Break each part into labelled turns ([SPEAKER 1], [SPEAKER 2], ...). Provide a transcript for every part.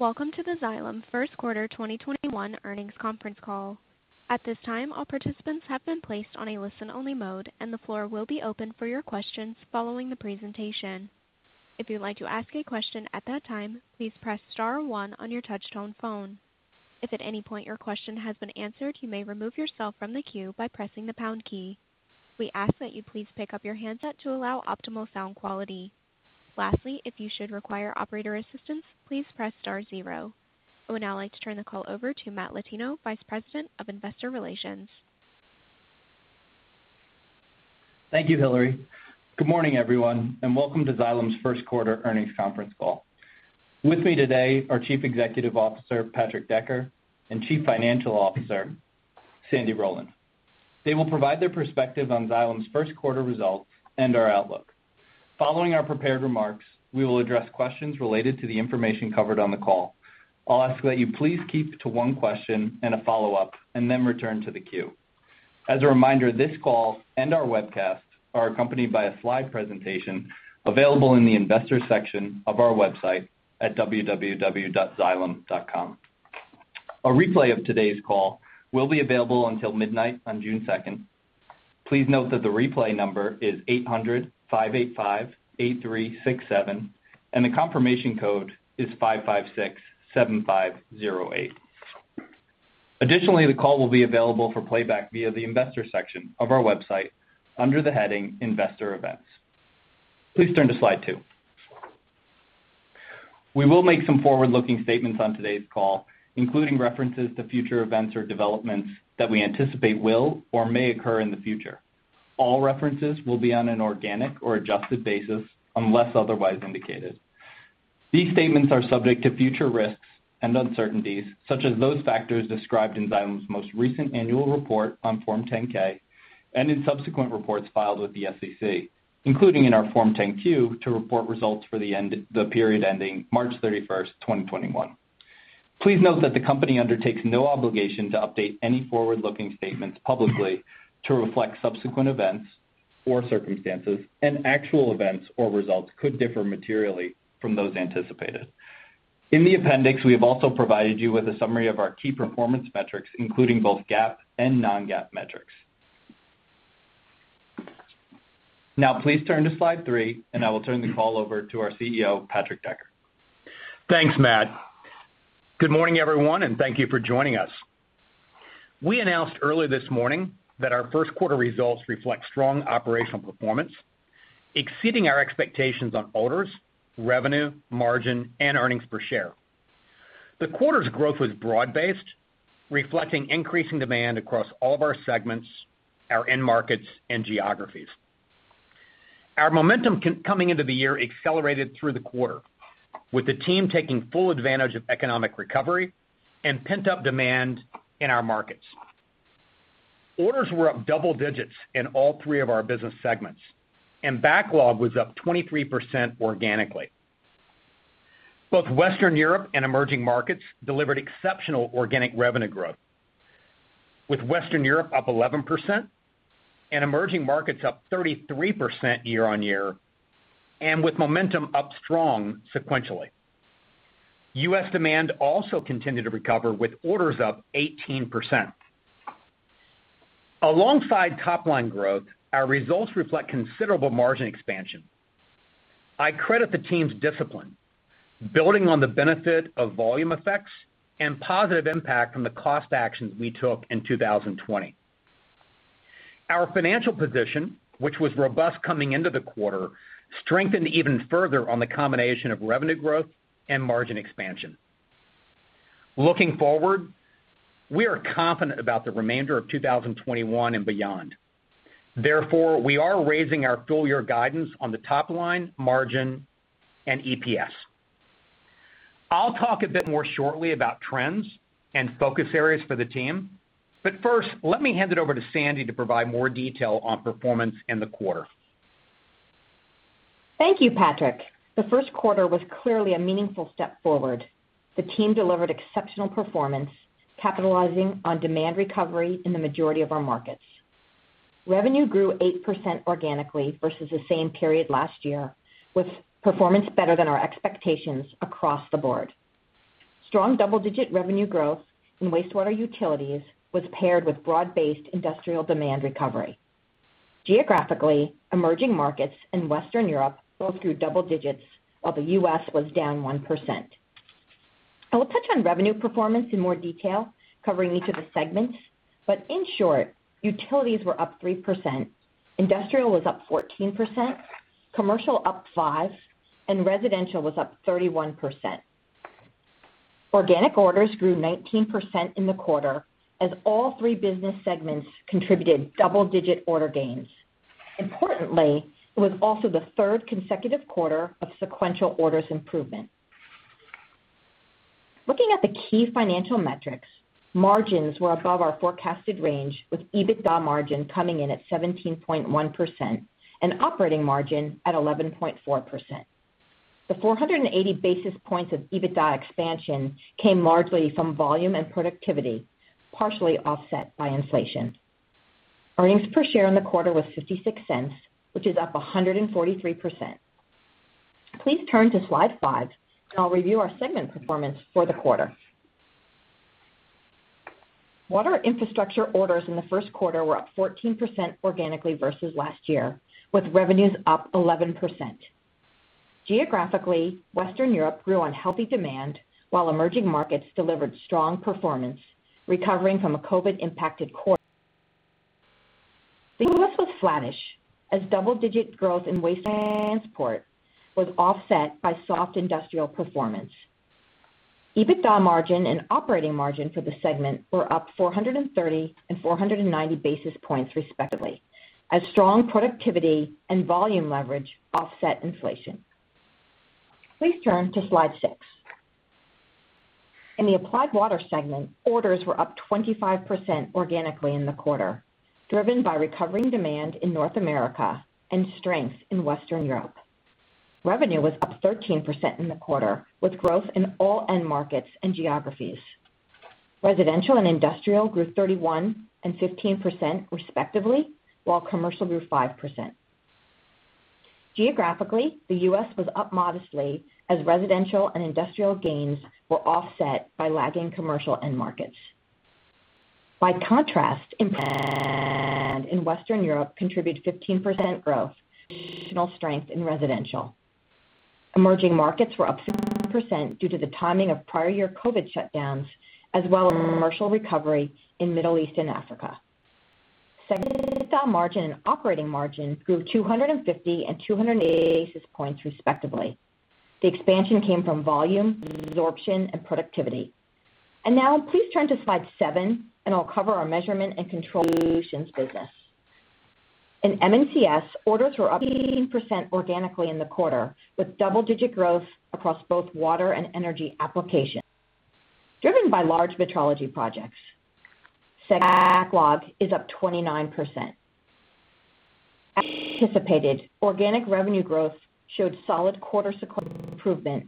[SPEAKER 1] Welcome to the Xylem first quarter 2021 earnings conference call. At this time, all participants have been placed on a listen-only mode, and the floor will be open for your questions following the presentation. If you'd like to ask a question at that time, please press star one on your touch-tone phone. If at any point your question has been answered, you may remove yourself from the queue by pressing the pound key. We ask that you please pick up your handset to allow optimal sound quality. Lastly, if you should require operator assistance, please press star zero. I would now like to turn the call over to Matt Latino, Vice President of Investor Relations.
[SPEAKER 2] Thank you, Hillary. Good morning, everyone, and welcome to Xylem's first quarter earnings conference call. With me today are Chief Executive Officer, Patrick Decker, and Chief Financial Officer, Sandy Rowland. They will provide their perspective on Xylem's first quarter results and our outlook. Following our prepared remarks, we will address questions related to the information covered on the call. I'll ask that you please keep to one question and a follow-up, and then return to the queue. As a reminder, this call and our webcast are accompanied by a slide presentation available in the Investors section of our website at www.xylem.com. A replay of today's call will be available until midnight on June 2nd. Please note that the replay number is 800-585-8367 and the confirmation code is 5,567,508. Additionally, the call will be available for playback via the Investors section of our website under the heading Investor Events. Please turn to slide two. We will make some forward-looking statements on today's call, including references to future events or developments that we anticipate will or may occur in the future. All references will be on an organic or adjusted basis unless otherwise indicated. These statements are subject to future risks and uncertainties, such as those factors described in Xylem's most recent annual report on Form 10-K and in subsequent reports filed with the SEC, including in our Form 10-Q to report results for the period ending March 31st, 2021. Please note that the company undertakes no obligation to update any forward-looking statements publicly to reflect subsequent events or circumstances, and actual events or results could differ materially from those anticipated. In the appendix, we have also provided you with a summary of our key performance metrics, including both GAAP and non-GAAP metrics. Please turn to slide three, and I will turn the call over to our CEO, Patrick Decker.
[SPEAKER 3] Thanks, Matt. Good morning, everyone, and thank you for joining us. We announced earlier this morning that our first quarter results reflect strong operational performance, exceeding our expectations on orders, revenue, margin, and earnings per share. The quarter's growth was broad-based, reflecting increasing demand across all of our segments, our end markets, and geographies. Our momentum coming into the year accelerated through the quarter, with the team taking full advantage of economic recovery and pent-up demand in our markets. Orders were up double digits in all three of our business segments, and backlog was up 23% organically. Both Western Europe and emerging markets delivered exceptional organic revenue growth, with Western Europe up 11% and emerging markets up 33% year-on-year, and with momentum up strong sequentially. U.S. demand also continued to recover, with orders up 18%. Alongside top-line growth, our results reflect considerable margin expansion. I credit the team's discipline, building on the benefit of volume effects and positive impact from the cost actions we took in 2020. Our financial position, which was robust coming into the quarter, strengthened even further on the combination of revenue growth and margin expansion. Looking forward, we are confident about the remainder of 2021 and beyond. We are raising our full year guidance on the top line, margin, and EPS. I'll talk a bit more shortly about trends and focus areas for the team. First, let me hand it over to Sandy to provide more detail on performance in the quarter.
[SPEAKER 4] Thank you, Patrick. The first quarter was clearly a meaningful step forward. The team delivered exceptional performance, capitalizing on demand recovery in the majority of our markets. Revenue grew 8% organically versus the same period last year, with performance better than our expectations across the board. Strong double-digit revenue growth in wastewater Utilities was paired with broad-based Industrial demand recovery. Geographically, emerging markets in Western Europe both grew double digits, while the U.S. was down 1%. I will touch on revenue performance in more detail, covering each of the segments. In short, Utilities were up 3%, Industrial was up 14%, Commercial up 5%, and Residential was up 31%. Organic orders grew 19% in the quarter as all three business segments contributed double-digit order gains. Importantly, it was also the third consecutive quarter of sequential orders improvement. Looking at the key financial metrics, margins were above our forecasted range, with EBITDA margin coming in at 17.1% and operating margin at 11.4%. The 480 basis points of EBITDA expansion came largely from volume and productivity, partially offset by inflation. Earnings per share in the quarter was $0.56, which is up 143%. Please turn to slide five and I'll review our segment performance for the quarter. Water Infrastructure orders in the first quarter were up 14% organically versus last year, with revenues up 11%. Geographically, Western Europe grew on healthy demand, while emerging markets delivered strong performance, recovering from a COVID-impacted quarter. The U.S. was flattish as double-digit growth in waste and transport was offset by soft Industrial performance. EBITDA margin and operating margin for the segment were up 430 and 490 basis points respectively, as strong productivity and volume leverage offset inflation. Please turn to slide six. In the Applied Water segment, orders were up 25% organically in the quarter, driven by recovering demand in North America and strength in Western Europe. Revenue was up 13% in the quarter, with growth in all end markets and geographies. Residential and Industrial grew 31% and 15% respectively, while Commercial grew 5%. Geographically, the U.S. was up modestly as Residential and Industrial gains were offset by lagging Commercial end markets. By contrast, in Western Europe contributed 15% growth, with exceptional strength in Residential. Emerging markets were up 6% due to the timing of prior year COVID shutdowns, as well as Commercial recovery in Middle East and Africa. Segment EBITDA margin and operating margin grew 250 and 280 basis points respectively. The expansion came from volume, mix absorption, and productivity. Now please turn to slide seven, and I'll cover our Measurement & Control Solutions business. In M&CS, orders were up 18% organically in the quarter, with double-digit growth across both water and energy applications, driven by large metering projects. Segment backlog is up 29%. As anticipated, organic revenue growth showed solid quarter-to-quarter improvement,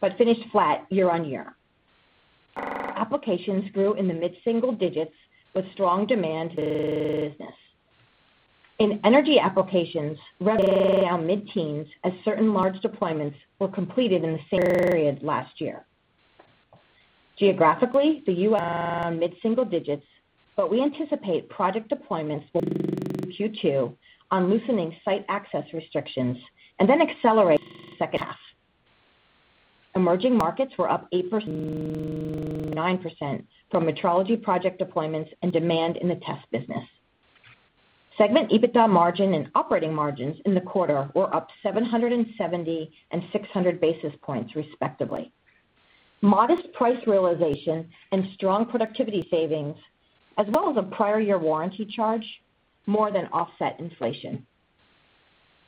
[SPEAKER 4] but finished flat year-on-year. Water applications grew in the mid-single digits with strong demand in the test business. In energy applications, revenue was down mid-teens as certain large deployments were completed in the same period last year. Geographically, the U.S. was down mid-single digits, but we anticipate project deployments will resume in Q2 on loosening site access restrictions and then accelerate in the second half. Emerging markets were up 8%-9% from metering project deployments and demand in the test business. Segment EBITDA margin and operating margins in the quarter were up 770 basis points and 600 basis points respectively. Modest price realization and strong productivity savings, as well as a prior year warranty charge, more than offset inflation.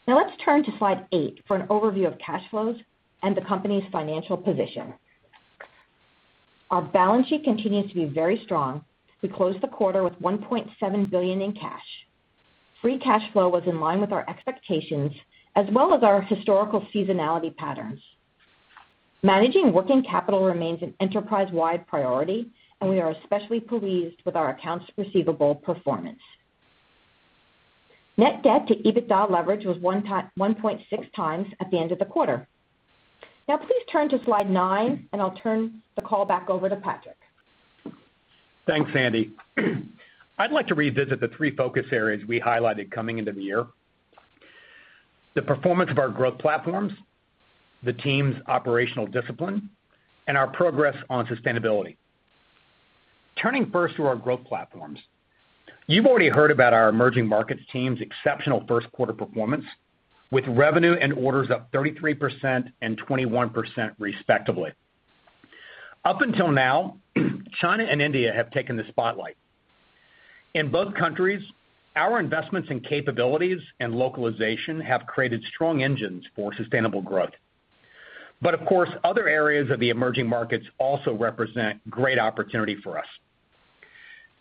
[SPEAKER 4] Now let's turn to slide eight for an overview of cash flows and the company's financial position. Our balance sheet continues to be very strong. We closed the quarter with $1.7 billion in cash. Free cash flow was in line with our expectations as well as our historical seasonality patterns. Managing working capital remains an enterprise-wide priority, and we are especially pleased with our accounts receivable performance. Net debt to EBITDA leverage was 1.6 times at the end of the quarter. Now please turn to slide nine, and I'll turn the call back over to Patrick.
[SPEAKER 3] Thanks, Sandy. I'd like to revisit the three focus areas we highlighted coming into the year: the performance of our growth platforms, the team's operational discipline, and our progress on sustainability. Turning first to our growth platforms. You've already heard about our emerging markets team's exceptional first quarter performance, with revenue and orders up 33% and 21% respectively. Up until now, China and India have taken the spotlight. In both countries, our investments in capabilities and localization have created strong engines for sustainable growth. Of course, other areas of the emerging markets also represent great opportunity for us.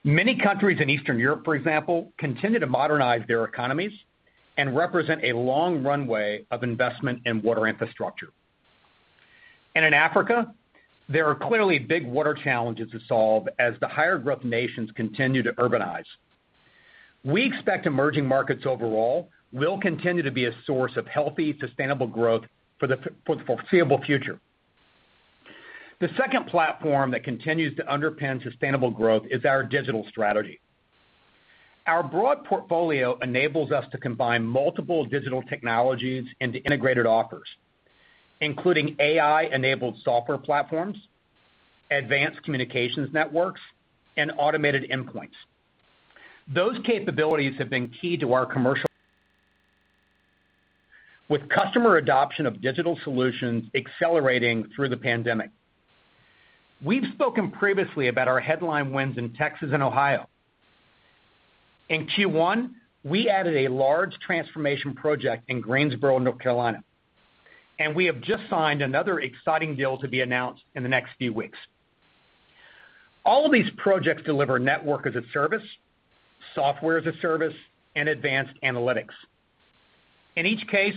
[SPEAKER 3] Many countries in Eastern Europe, for example, continue to modernize their economies and represent a long runway of investment in water infrastructure. In Africa, there are clearly big water challenges to solve as the higher growth nations continue to urbanize. We expect emerging markets overall will continue to be a source of healthy, sustainable growth for the foreseeable future. The second platform that continues to underpin sustainable growth is our digital strategy. Our broad portfolio enables us to combine multiple digital technologies into integrated offers, including AI-enabled software platforms, advanced communications networks, and automated endpoints. Those capabilities have been key to our commercial success with customer adoption of digital solutions accelerating through the pandemic. We've spoken previously about our headline wins in Texas and Ohio. In Q1, we added a large transformation project in Greensboro, North Carolina, and we have just signed another exciting deal to be announced in the next few weeks. All of these projects deliver network as a service, software as a service, and advanced analytics. In each case,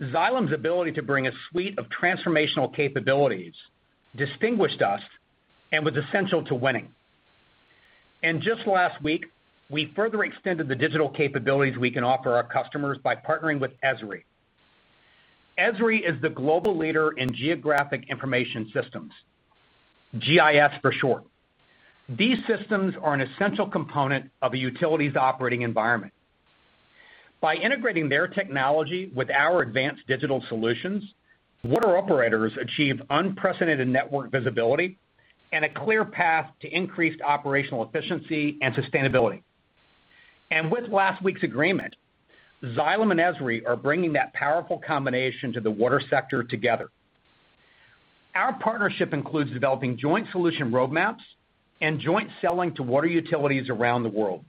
[SPEAKER 3] Xylem's ability to bring a suite of transformational capabilities distinguished us and was essential to winning. Just last week, we further extended the digital capabilities we can offer our customers by partnering with Esri. Esri is the global leader in geographic information systems, GIS for short. These systems are an essential component of a utility's operating environment. By integrating their technology with our advanced digital solutions, water operators achieve unprecedented network visibility and a clear path to increased operational efficiency and sustainability. With last week's agreement, Xylem and Esri are bringing that powerful combination to the water sector together. Our partnership includes developing joint solution roadmaps and joint selling to water Utilities around the world.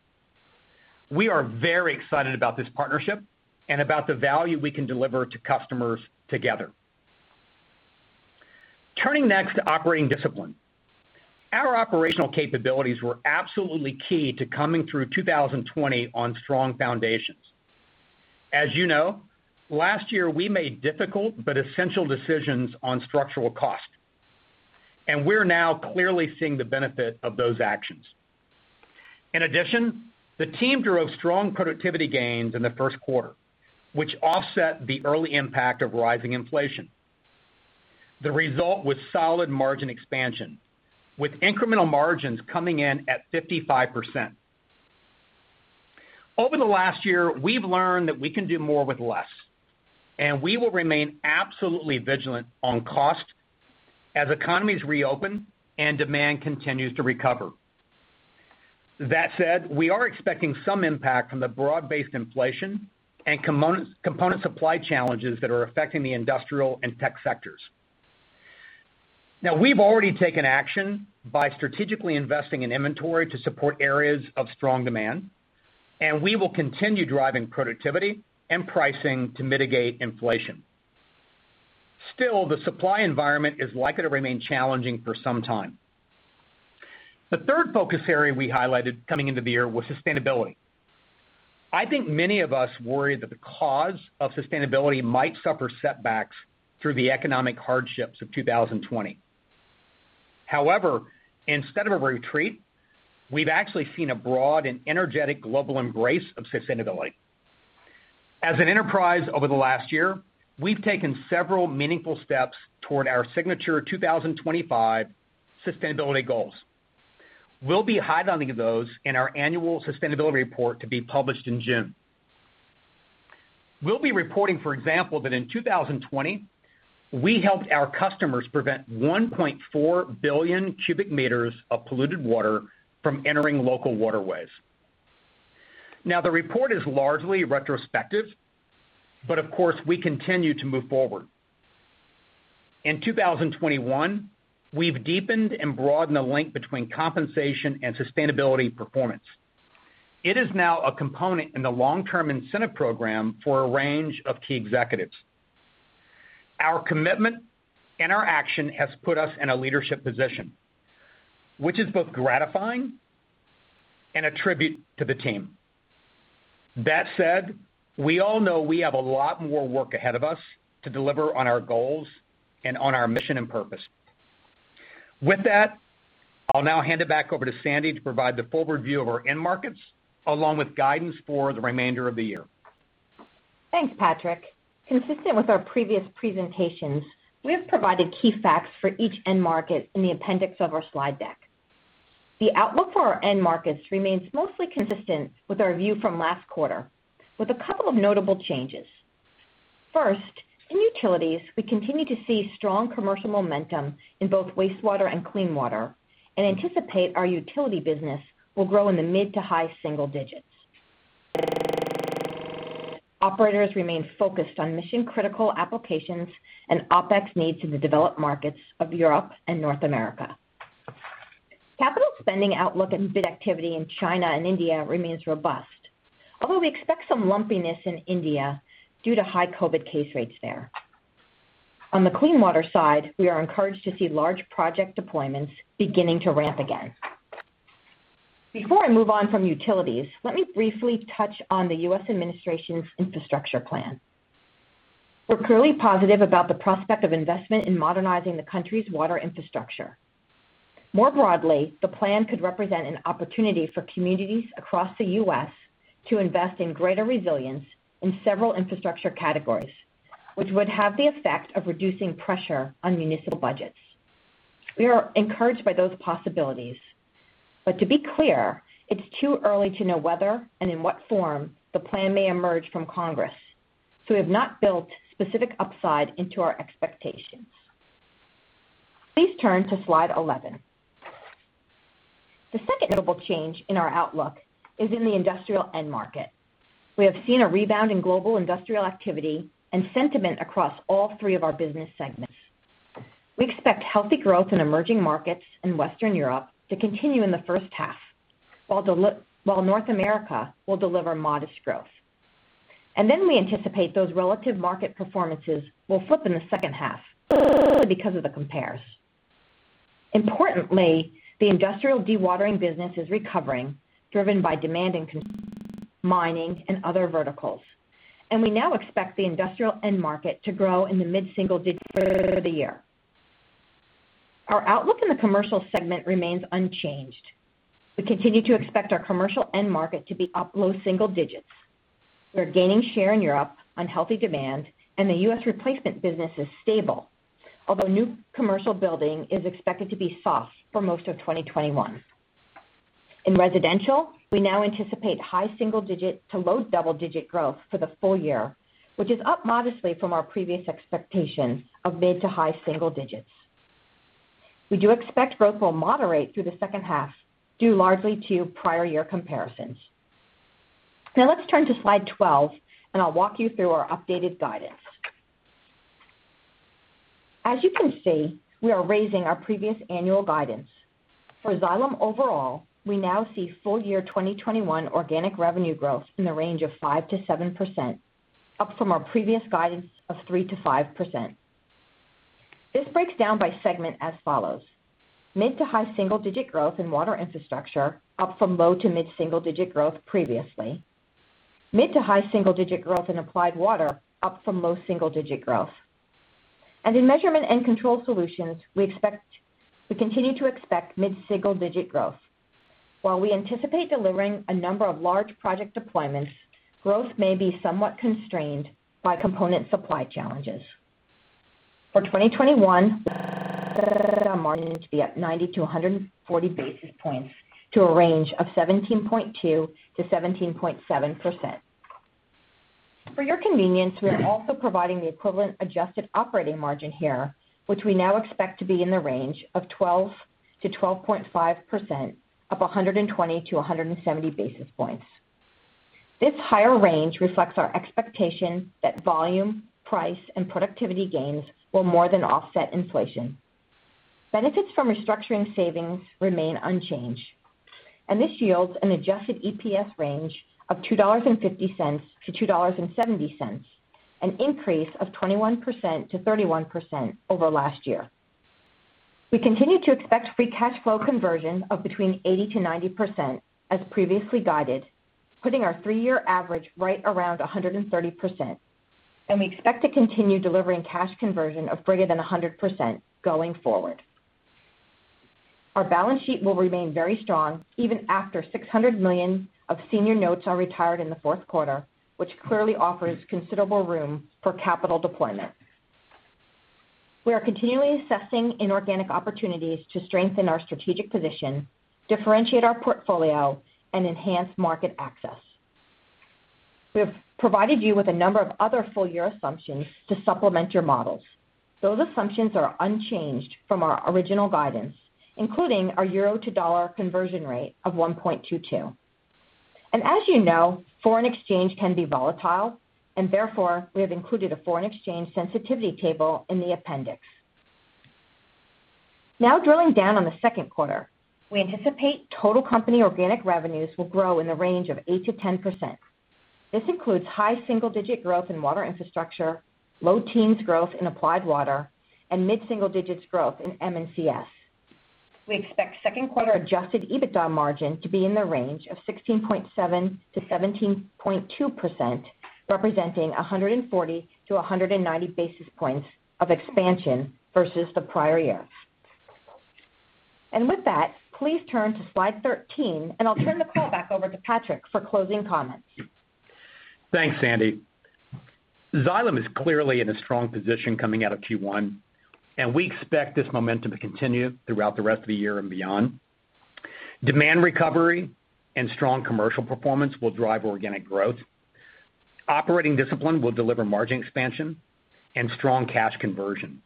[SPEAKER 3] We are very excited about this partnership and about the value we can deliver to customers together. Turning next to operating discipline. Our operational capabilities were absolutely key to coming through 2020 on strong foundations. As you know, last year we made difficult but essential decisions on structural cost, and we're now clearly seeing the benefit of those actions. In addition, the team drove strong productivity gains in the first quarter, which offset the early impact of rising inflation. The result was solid margin expansion, with incremental margins coming in at 55%. Over the last year, we've learned that we can do more with less, and we will remain absolutely vigilant on cost as economies reopen and demand continues to recover. That said, we are expecting some impact from the broad-based inflation and component supply challenges that are affecting the Industrial and tech sectors. Now, we've already taken action by strategically investing in inventory to support areas of strong demand, and we will continue driving productivity and pricing to mitigate inflation. Still, the supply environment is likely to remain challenging for some time. The third focus area we highlighted coming into the year was sustainability. I think many of us worry that the cause of sustainability might suffer setbacks through the economic hardships of 2020. Instead of a retreat, we've actually seen a broad and energetic global embrace of sustainability. As an enterprise over the last year, we've taken several meaningful steps toward our signature 2025 sustainability goals. We'll be highlighting those in our annual sustainability report to be published in June. We'll be reporting, for example, that in 2020, we helped our customers prevent 1.4 billion cubic meters of polluted water from entering local waterways. The report is largely retrospective, but of course, we continue to move forward. In 2021, we've deepened and broadened the link between compensation and sustainability performance. It is now a component in the long-term incentive program for a range of key executives. Our commitment and our action has put us in a leadership position, which is both gratifying and a tribute to the team. That said, we all know we have a lot more work ahead of us to deliver on our goals and on our mission and purpose. With that, I'll now hand it back over to Sandy to provide the forward view of our end markets, along with guidance for the remainder of the year.
[SPEAKER 4] Thanks, Patrick. Consistent with our previous presentations, we have provided key facts for each end market in the appendix of our slide deck. The outlook for our end markets remains mostly consistent with our view from last quarter, with a couple of notable changes. First, in Utilities, we continue to see strong Commercial momentum in both wastewater and clean water and anticipate our utility business will grow in the mid to high single digits. Operators remain focused on mission-critical applications and OpEx needs in the developed markets of Europe and North America. Capital spending outlook and bid activity in China and India remains robust. Although we expect some lumpiness in India due to high COVID case rates there. On the clean water side, we are encouraged to see large project deployments beginning to ramp again. Before I move on from Utilities, let me briefly touch on the U.S. administration's infrastructure plan. We're clearly positive about the prospect of investment in modernizing the country's water infrastructure. More broadly, the plan could represent an opportunity for communities across the U.S. to invest in greater resilience in several infrastructure categories, which would have the effect of reducing pressure on municipal budgets. We are encouraged by those possibilities, but to be clear, it's too early to know whether and in what form the plan may emerge from Congress, so we have not built specific upside into our expectations. Please turn to slide 11. The second notable change in our outlook is in the Industrial end market. We have seen a rebound in global Industrial activity and sentiment across all three of our business segments. We expect healthy growth in emerging markets in Western Europe to continue in the first half, while North America will deliver modest growth. We anticipate those relative market performances will flip in the second half, solely because of the compares. Importantly, the Industrial dewatering business is recovering, driven by demand in mining and other verticals. We now expect the Industrial end market to grow in the mid-single digits the year. Our outlook in the Commercial segment remains unchanged. We continue to expect our Commercial end market to be up low single digits. We are gaining share in Europe on healthy demand, and the U.S. replacement business is stable. Although new Commercial building is expected to be soft for most of 2021. In Residential, we now anticipate high single-digit to low double-digit growth for the full year, which is up modestly from our previous expectation of mid to high single-digits. We do expect growth will moderate through the second half, due largely to prior year comparisons. Let's turn to slide 12, and I'll walk you through our updated guidance. As you can see, we are raising our previous annual guidance. For Xylem overall, we now see full year 2021 organic revenue growth in the range of 5%-7%, up from our previous guidance of 3%-5%. This breaks down by segment as follows: mid to high single-digit growth in Water Infrastructure, up from low to mid single-digit growth previously. Mid to high single-digit growth in Applied Water, up from low single-digit growth. In Measurement & Control Solutions, we continue to expect mid-single-digit growth. While we anticipate delivering a number of large project deployments, growth may be somewhat constrained by component supply challenges. For 2021, our margin to be up 90 basis points-140 basis points to a range of 17.2%-17.7%. For your convenience, we are also providing the equivalent adjusted operating margin here, which we now expect to be in the range of 12%-12.5%, up 120 basis points-170 basis points. This higher range reflects our expectation that volume, price, and productivity gains will more than offset inflation. Benefits from restructuring savings remain unchanged, and this yields an adjusted EPS range of $2.50-$2.70, an increase of 21%-31% over last year. We continue to expect free cash flow conversion of between 80%-90% as previously guided, putting our three-year average right around 130%. We expect to continue delivering cash conversion of greater than 100% going forward. Our balance sheet will remain very strong even after $600 million of senior notes are retired in the fourth quarter, which clearly offers considerable room for capital deployment. We are continually assessing inorganic opportunities to strengthen our strategic position, differentiate our portfolio, and enhance market access. We have provided you with a number of other full year assumptions to supplement your models. Those assumptions are unchanged from our original guidance, including our euro to dollar conversion rate of $1.22. As you know, foreign exchange can be volatile. Therefore, we have included a foreign exchange sensitivity table in the appendix. Now drilling down on the second quarter, we anticipate total company organic revenues will grow in the range of 8%-10%. This includes high single digit growth in Water Infrastructure, low teens growth in Applied Water, and mid-single digits growth in M&CS. We expect second quarter adjusted EBITDA margin to be in the range of 16.7%-17.2%, representing 140 basis points-190 basis points of expansion versus the prior year. With that, please turn to slide 13, and I'll turn the call back over to Patrick for closing comments.
[SPEAKER 3] Thanks, Sandy. Xylem is clearly in a strong position coming out of Q1, and we expect this momentum to continue throughout the rest of the year and beyond. Demand recovery and strong Commercial performance will drive organic growth. Operating discipline will deliver margin expansion and strong cash conversion.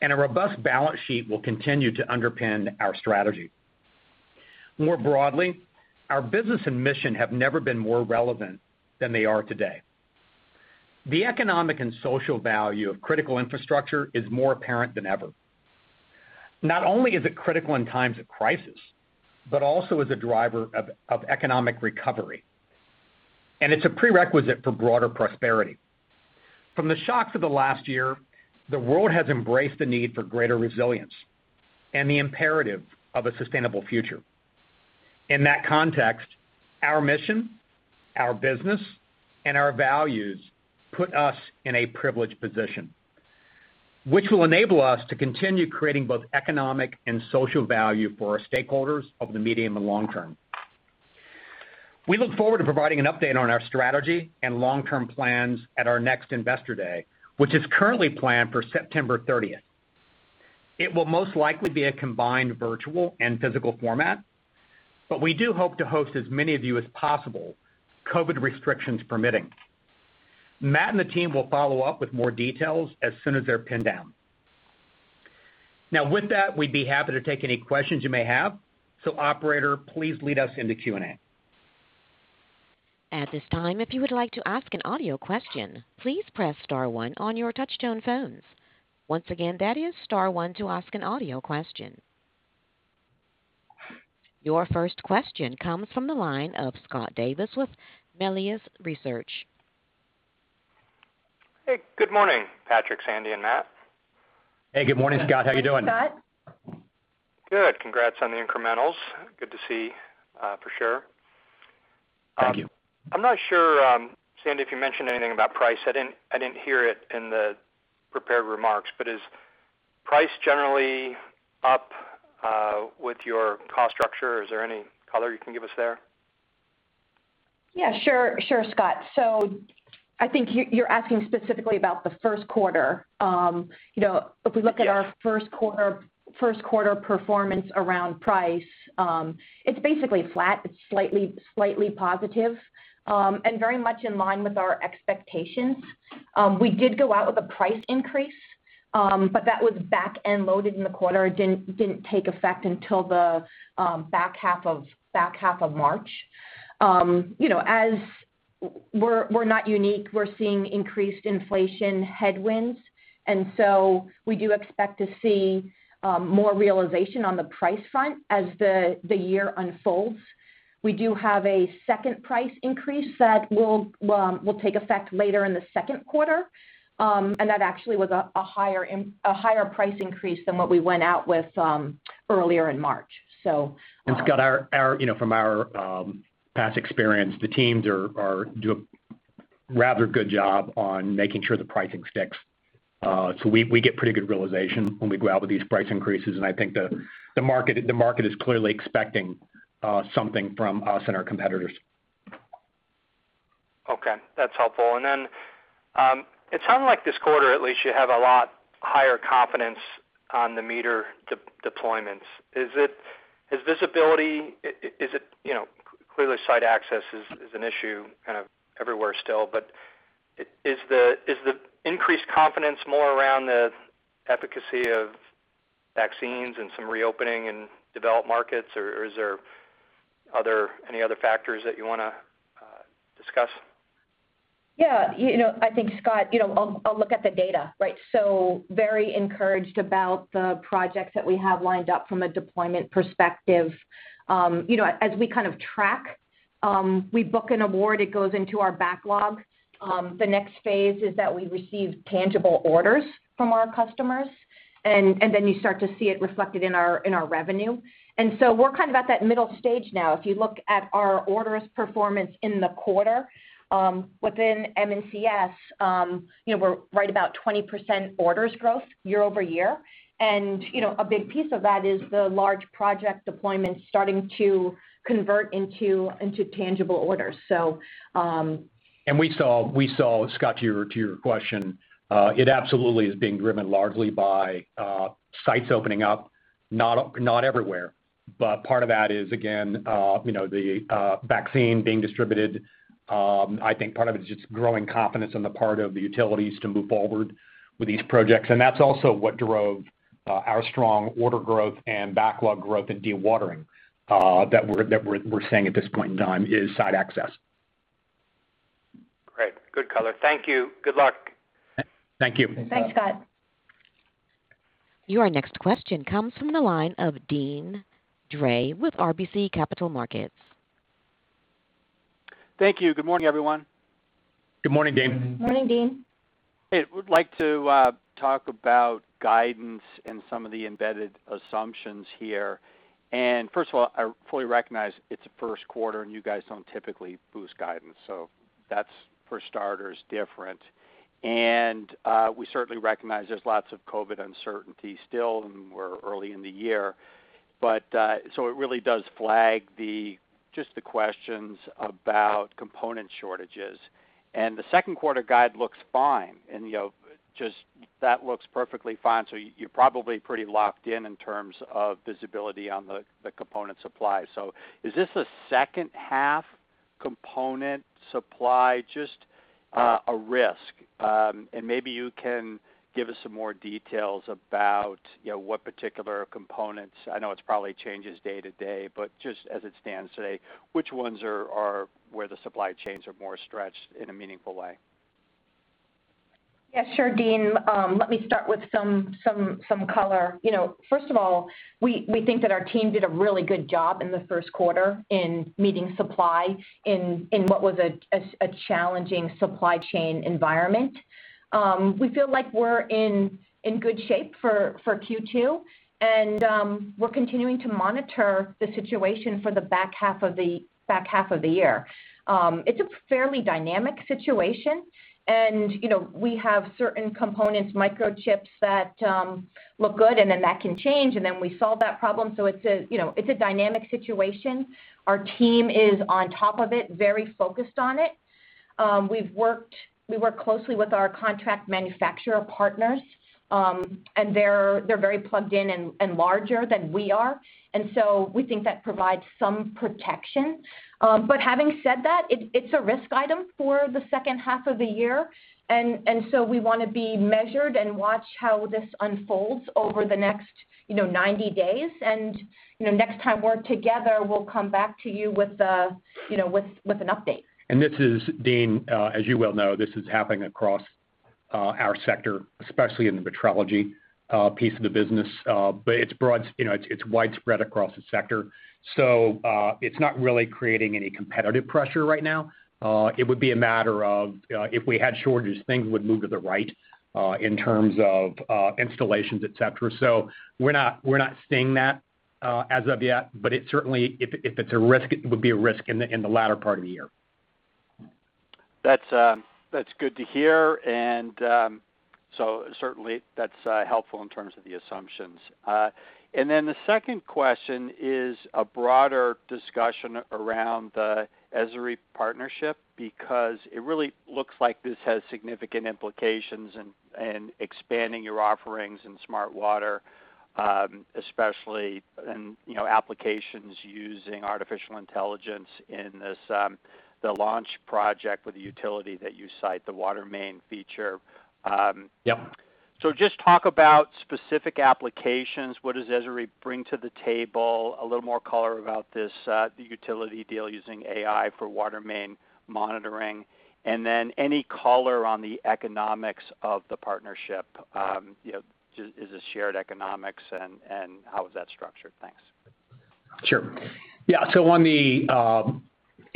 [SPEAKER 3] A robust balance sheet will continue to underpin our strategy. More broadly, our business and mission have never been more relevant than they are today. The economic and social value of critical infrastructure is more apparent than ever. Not only is it critical in times of crisis, but also as a driver of economic recovery. It's a prerequisite for broader prosperity. From the shocks of the last year, the world has embraced the need for greater resilience and the imperative of a sustainable future. In that context, our mission, our business, and our values put us in a privileged position, which will enable us to continue creating both economic and social value for our stakeholders over the medium and long term. We look forward to providing an update on our strategy and long-term plans at our next Investor Day, which is currently planned for September 30th. It will most likely be a combined virtual and physical format, but we do hope to host as many of you as possible, COVID restrictions permitting. Matt and the team will follow up with more details as soon as they're pinned down. With that, we'd be happy to take any questions you may have. Operator, please lead us into Q&A.
[SPEAKER 1] At this time, if you would like to ask an audio question, please press star one on your touch-tone phone. Once again, that is star one to ask an audio question. Your first question comes from the line of Scott Davis with Melius Research.
[SPEAKER 5] Hey, good morning, Patrick, Sandy, and Matt.
[SPEAKER 3] Hey, good morning, Scott. How you doing?
[SPEAKER 4] Morning, Scott.
[SPEAKER 5] Good. Congrats on the incrementals. Good to see, for sure.
[SPEAKER 3] Thank you.
[SPEAKER 5] I'm not sure, Sandy, if you mentioned anything about price. I didn't hear it in the prepared remarks, but is price generally up with your cost structure? Is there any color you can give us there?
[SPEAKER 4] Yeah, sure, Scott. I think you're asking specifically about the first quarter. If we look at our first-quarter performance around price, it's basically flat. It's slightly positive, and very much in line with our expectations. We did go out with a price increase, but that was back-end loaded in the quarter. It didn't take effect until the back half of March. We're not unique. We're seeing increased inflation headwinds, and so we do expect to see more realization on the price front as the year unfolds. We do have a second price increase that will take effect later in the second quarter. That actually was a higher price increase than what we went out with earlier in March.
[SPEAKER 3] Scott, from our past experience, the teams do a rather good job on making sure the pricing sticks. We get pretty good realization when we go out with these price increases, and I think the market is clearly expecting something from us and our competitors.
[SPEAKER 5] Okay, that's helpful. It sounded like this quarter at least, you have a lot higher confidence on the meter deployments. Clearly, site access is an issue kind of everywhere still, but is the increased confidence more around the efficacy of vaccines and some reopening in developed markets, or is there any other factors that you want to discuss?
[SPEAKER 4] Yeah. I think, Scott, I'll look at the data, right? Very encouraged about the projects that we have lined up from a deployment perspective. As we kind of track, we book an award, it goes into our backlog. The next phase is that we receive tangible orders from our customers, and then you start to see it reflected in our revenue. We're kind of at that middle stage now. If you look at our orders performance in the quarter within M&CS, we're right about 20% orders growth year-over-year. A big piece of that is the large project deployments starting to convert into tangible orders.
[SPEAKER 3] We saw, Scott, to your question, it absolutely is being driven largely by sites opening up. Not everywhere, part of that is, again, the vaccine being distributed. I think part of it is just growing confidence on the part of the Utilities to move forward with these projects. That's also what drove our strong order growth and backlog growth in dewatering that we're seeing at this point in time is site access.
[SPEAKER 5] Great. Good color. Thank you. Good luck.
[SPEAKER 3] Thank you.
[SPEAKER 4] Thanks, Scott.
[SPEAKER 1] Your next question comes from the line of Deane Dray with RBC Capital Markets.
[SPEAKER 6] Thank you. Good morning, everyone.
[SPEAKER 3] Good morning, Deane.
[SPEAKER 4] Morning, Deane.
[SPEAKER 6] Hey. Would like to talk about guidance and some of the embedded assumptions here. First of all, I fully recognize it's the first quarter, and you guys don't typically boost guidance. That's, for starters, different. We certainly recognize there's lots of COVID uncertainty still, and we're early in the year. It really does flag just the questions about component shortages. The second quarter guide looks fine, and just that looks perfectly fine, so you're probably pretty locked in terms of visibility on the component supply. Is this a second half component supply just a risk? Maybe you can give us some more details about what particular components. I know it probably changes day to day, but just as it stands today, which ones are where the supply chains are more stretched in a meaningful way?
[SPEAKER 4] Yeah, sure, Deane. Let me start with some color. First of all, we think that our team did a really good job in the first quarter in meeting supply in what was a challenging supply chain environment. We feel like we're in good shape for Q2, and we're continuing to monitor the situation for the back half of the year. It's a fairly dynamic situation, and we have certain components, microchips, that look good, and then that can change, and then we solve that problem. It's a dynamic situation. Our team is on top of it, very focused on it. We work closely with our contract manufacturer partners, and they're very plugged in and larger than we are, and so we think that provides some protection. Having said that, it's a risk item for the second half of the year, and so we want to be measured and watch how this unfolds over the next 90 days. Next time we're together, we'll come back to you with an update.
[SPEAKER 3] This is, Deane, as you well know, this is happening across our sector, especially in the metering piece of the business, but it's widespread across the sector. It's not really creating any competitive pressure right now. It would be a matter of if we had shortages, things would move to the right in terms of installations, et cetera. We're not seeing that as of yet, but it certainly, if it's a risk, it would be a risk in the latter part of the year.
[SPEAKER 6] That's good to hear. Certainly, that's helpful in terms of the assumptions. The second question is a broader discussion around the Esri partnership, because it really looks like this has significant implications in expanding your offerings in smart water, especially in applications using artificial intelligence in the launch project with the utility that you cite, the water main feature.
[SPEAKER 3] Yep.
[SPEAKER 6] Just talk about specific applications. What does Esri bring to the table? A little more color about this, the utility deal using AI for water main monitoring, and then any color on the economics of the partnership. Is this shared economics, and how is that structured? Thanks.
[SPEAKER 3] Sure. Yeah,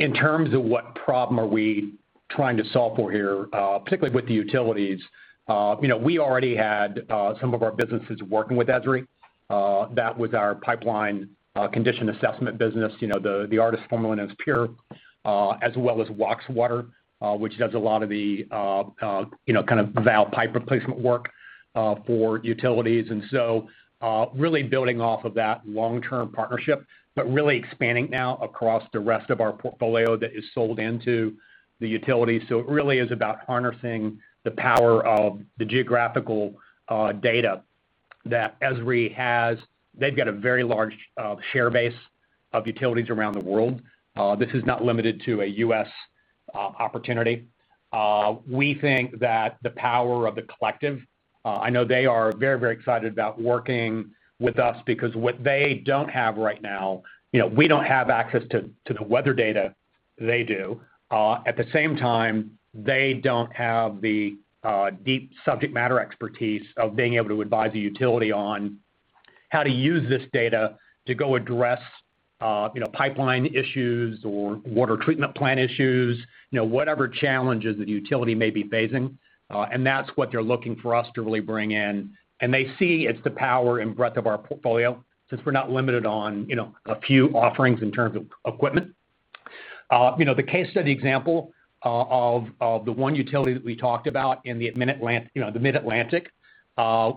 [SPEAKER 3] in terms of what problem are we trying to solve for here, particularly with the Utilities, we already had some of our businesses working with Esri. That was our pipeline condition assessment business, Artis formerly known as Pure, as well as Wachs Water, which does a lot of the valve pipe replacement work for Utilities. Really building off of that long-term partnership, but really expanding now across the rest of our portfolio that is sold into the Utilities. It really is about harnessing the power of the geographical data that Esri has. They've got a very large share base of Utilities around the world. This is not limited to a U.S. opportunity. We think that the power of the collective, I know they are very excited about working with us because what they don't have right now, we don't have access to the weather data they do. At the same time, they don't have the deep subject matter expertise of being able to advise a utility on how to use this data to go address pipeline issues or water treatment plant issues, whatever challenges the utility may be facing. That's what they're looking for us to really bring in. They see it's the power and breadth of our portfolio, since we're not limited on a few offerings in terms of equipment. The case study example of the one utility that we talked about in the Mid-Atlantic,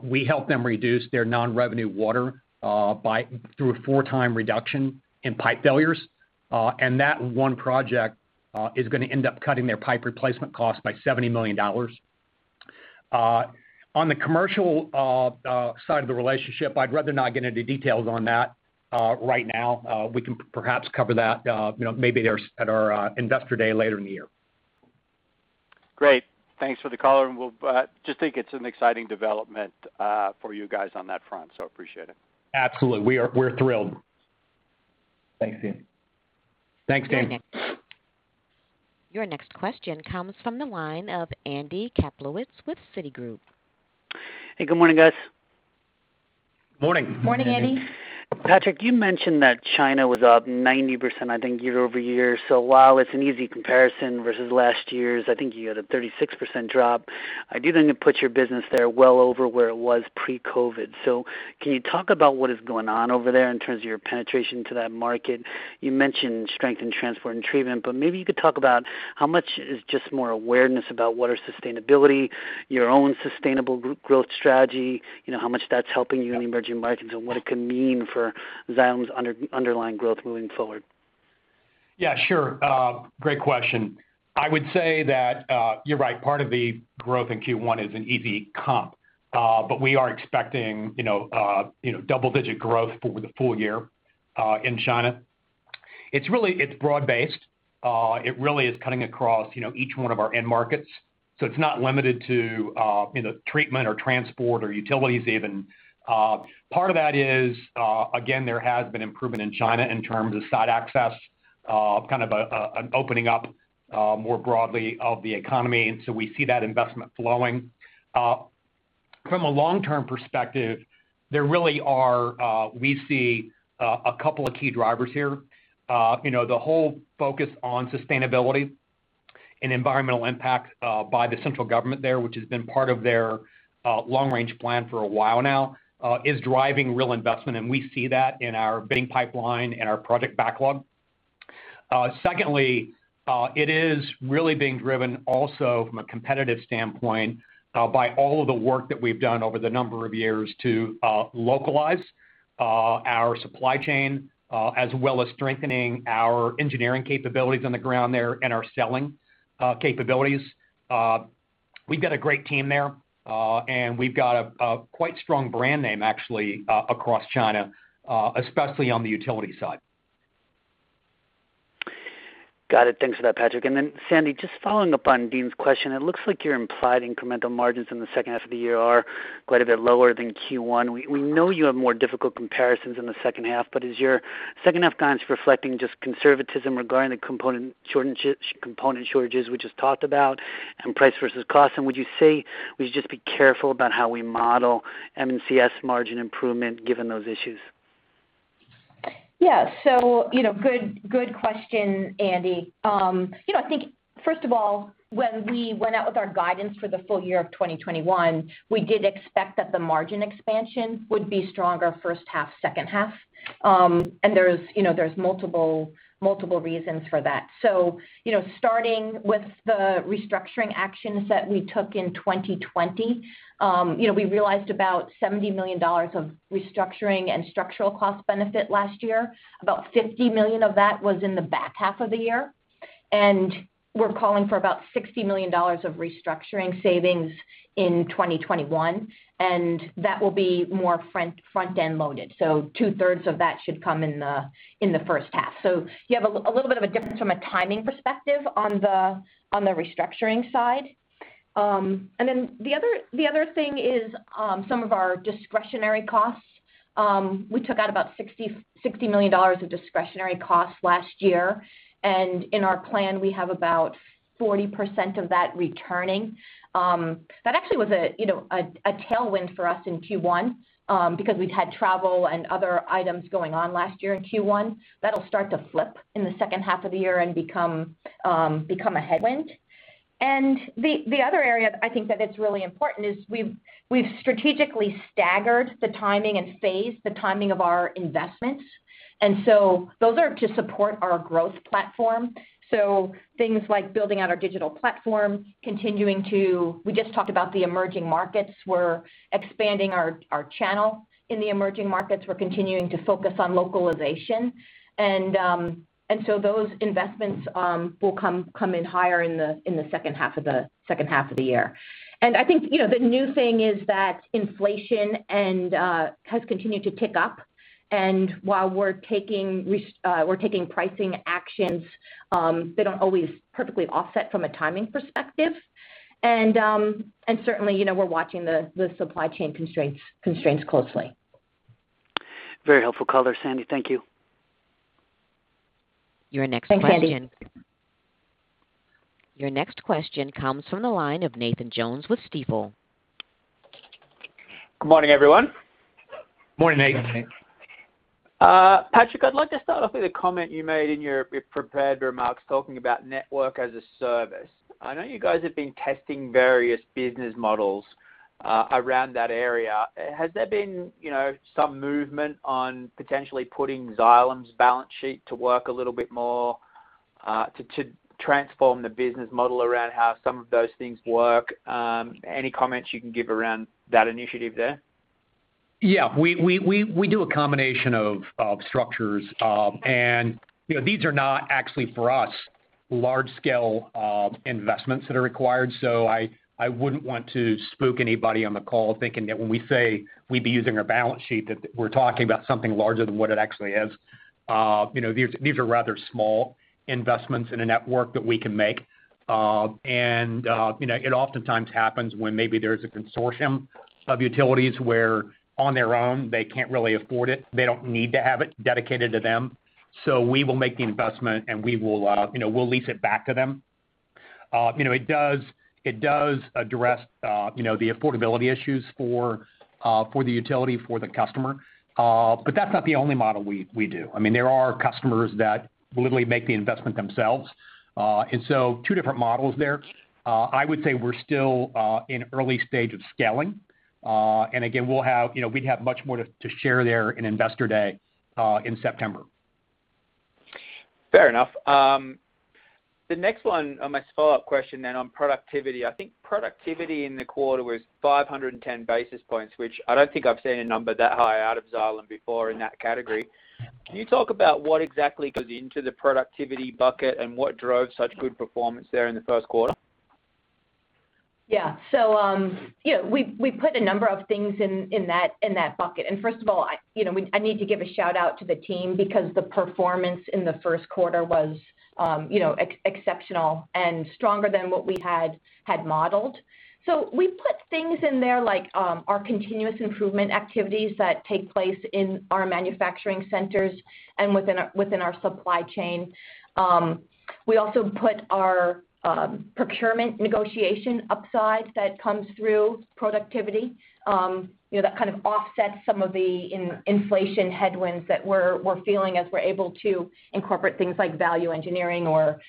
[SPEAKER 3] we helped them reduce their non-revenue water through a four-time reduction in pipe failures. That one project is going to end up cutting their pipe replacement cost by $70 million. On the Commercial side of the relationship, I'd rather not get into details on that right now. We can perhaps cover that maybe at our Investor Day later in the year.
[SPEAKER 6] Great. Thanks for the color. Just think it's an exciting development for you guys on that front, so appreciate it.
[SPEAKER 3] Absolutely. We're thrilled.
[SPEAKER 6] Thanks, team.
[SPEAKER 3] Thanks, Deane.
[SPEAKER 1] Your next question comes from the line of Andy Kaplowitz with Citigroup.
[SPEAKER 7] Hey, good morning, guys.
[SPEAKER 3] Morning.
[SPEAKER 4] Morning, Andy.
[SPEAKER 7] Patrick, you mentioned that China was up 90%, I think, year-over-year. While it's an easy comparison versus last year's, I think you had a 36% drop. I do think it puts your business there well over where it was pre-COVID. Can you talk about what is going on over there in terms of your penetration to that market? You mentioned strength in transport and treatment, but maybe you could talk about how much is just more awareness about water sustainability, your own sustainable growth strategy, how much that's helping you in the emerging markets, and what it could mean for Xylem's underlying growth moving forward.
[SPEAKER 3] Yeah, sure. Great question. I would say that you're right, part of the growth in Q1 is an easy comp. We are expecting double-digit growth for the full year in China. It's broad-based. It really is cutting across each one of our end markets. It's not limited to treatment or transport or Utilities even. Part of that is, again, there has been improvement in China in terms of site access, kind of an opening up more broadly of the economy, and so we see that investment flowing. From a long-term perspective, we see a couple of key drivers here. The whole focus on sustainability and environmental impact by the central government there, which has been part of their long-range plan for a while now is driving real investment, and we see that in our bidding pipeline and our project backlog. Secondly, it is really being driven also from a competitive standpoint by all of the work that we've done over the number of years to localize our supply chain as well as strengthening our engineering capabilities on the ground there and our selling capabilities. We've got a great team there, and we've got a quite strong brand name actually, across China, especially on the utility side.
[SPEAKER 7] Got it. Thanks for that, Patrick. Sandy, just following up on Deane's question, it looks like your implied incremental margins in the second half of the year are quite a bit lower than Q1. We know you have more difficult comparisons in the second half, is your second half guidance reflecting just conservatism regarding the component shortages we just talked about and price versus cost? Would you say we should just be careful about how we model M&CS margin improvement, given those issues?
[SPEAKER 4] Good question, Andy. I think, first of all, when we went out with our guidance for the full year of 2021, we did expect that the margin expansion would be stronger first half, second half. There's multiple reasons for that. Starting with the restructuring actions that we took in 2020. We realized about $70 million of restructuring and structural cost benefit last year. About $50 million of that was in the back half of the year. We're calling for about $60 million of restructuring savings in 2021, and that will be more front-end loaded. 2/3 of that should come in the first half. You have a little bit of a difference from a timing perspective on the restructuring side. Then the other thing is some of our discretionary costs. We took out about $60 million of discretionary costs last year. In our plan, we have about 40% of that returning. That actually was a tailwind for us in Q1, because we'd had travel and other items going on last year in Q1. That'll start to flip in the second half of the year and become a headwind. The other area I think that it's really important is we've strategically staggered the timing and phase, the timing of our investments. Those are to support our growth platform. Things like building out our digital platform. We just talked about the emerging markets. We're expanding our channel in the emerging markets. We're continuing to focus on localization. Those investments will come in higher in the second half of the year. I think, the new thing is that inflation has continued to tick up, and while we're taking pricing actions, they don't always perfectly offset from a timing perspective. Certainly, we're watching the supply chain constraints closely.
[SPEAKER 7] Very helpful color, Sandy. Thank you.
[SPEAKER 1] Your next question.
[SPEAKER 4] Thanks, Andy.
[SPEAKER 1] Your next question comes from the line of Nathan Jones with Stifel.
[SPEAKER 8] Good morning, everyone.
[SPEAKER 3] Morning, Nathan.
[SPEAKER 8] Patrick, I'd like to start off with a comment you made in your prepared remarks talking about Network as a Service. I know you guys have been testing various business models around that area. Has there been some movement on potentially putting Xylem's balance sheet to work a little bit more to transform the business model around how some of those things work? Any comments you can give around that initiative there?
[SPEAKER 3] Yeah. We do a combination of structures. These are not actually for us large scale investments that are required. I wouldn't want to spook anybody on the call thinking that when we say we'd be using our balance sheet, that we're talking about something larger than what it actually is. These are rather small investments in a network that we can make. It oftentimes happens when maybe there's a consortium of utilities where on their own, they can't really afford it. They don't need to have it dedicated to them. We will make the investment, and we'll lease it back to them. It does address the affordability issues for the utility, for the customer. That's not the only model we do. There are customers that will literally make the investment themselves. Two different models there. I would say we're still in early stage of scaling. Again, we'd have much more to share there in Investor Day in September.
[SPEAKER 8] Fair enough. The next one, my follow-up question on productivity. I think productivity in the quarter was 510 basis points, which I don't think I've seen a number that high out of Xylem before in that category. Can you talk about what exactly goes into the productivity bucket and what drove such good performance there in the first quarter?
[SPEAKER 4] Yeah. We put a number of things in that bucket. First of all, I need to give a shout-out to the team because the performance in the first quarter was exceptional and stronger than what we had modeled. We put things in there like our continuous improvement activities that take place in our manufacturing centers and within our supply chain. We also put our procurement negotiation upside that comes through productivity. That kind of offsets some of the inflation headwinds that we're feeling as we're able to incorporate things like value engineering or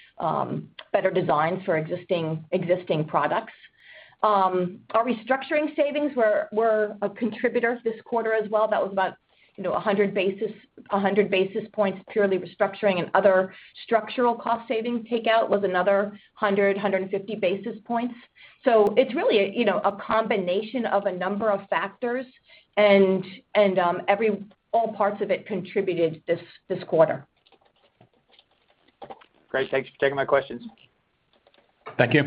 [SPEAKER 4] better designs for existing products. Our restructuring savings were a contributor this quarter as well. That was about 100 basis points purely restructuring and other structural cost savings takeout was another 100 basis points, 150 basis points. It's really a combination of a number of factors and all parts of it contributed this quarter.
[SPEAKER 8] Great. Thanks for taking my questions.
[SPEAKER 3] Thank you.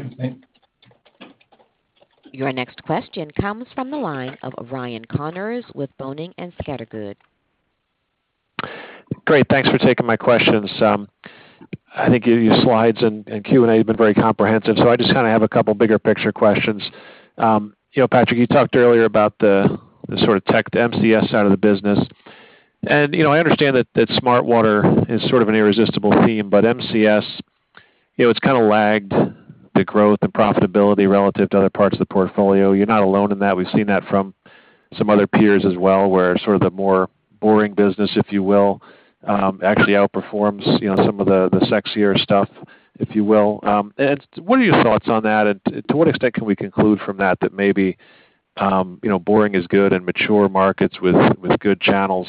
[SPEAKER 1] Your next question comes from the line of Ryan Connors with Boenning & Scattergood.
[SPEAKER 9] Great. Thanks for taking my questions. I think your slides and Q&A have been very comprehensive, so I just have a couple bigger picture questions. Patrick, you talked earlier about the M&CS side of the business. I understand that smart water is sort of an irresistible theme, but M&CS, it's kind of lagged the growth and profitability relative to other parts of the portfolio. You're not alone in that. We've seen that from some other peers as well, where sort of the more boring business, if you will, actually outperforms some of the sexier stuff. What are your thoughts on that? To what extent can we conclude from that maybe boring is good and mature markets with good channels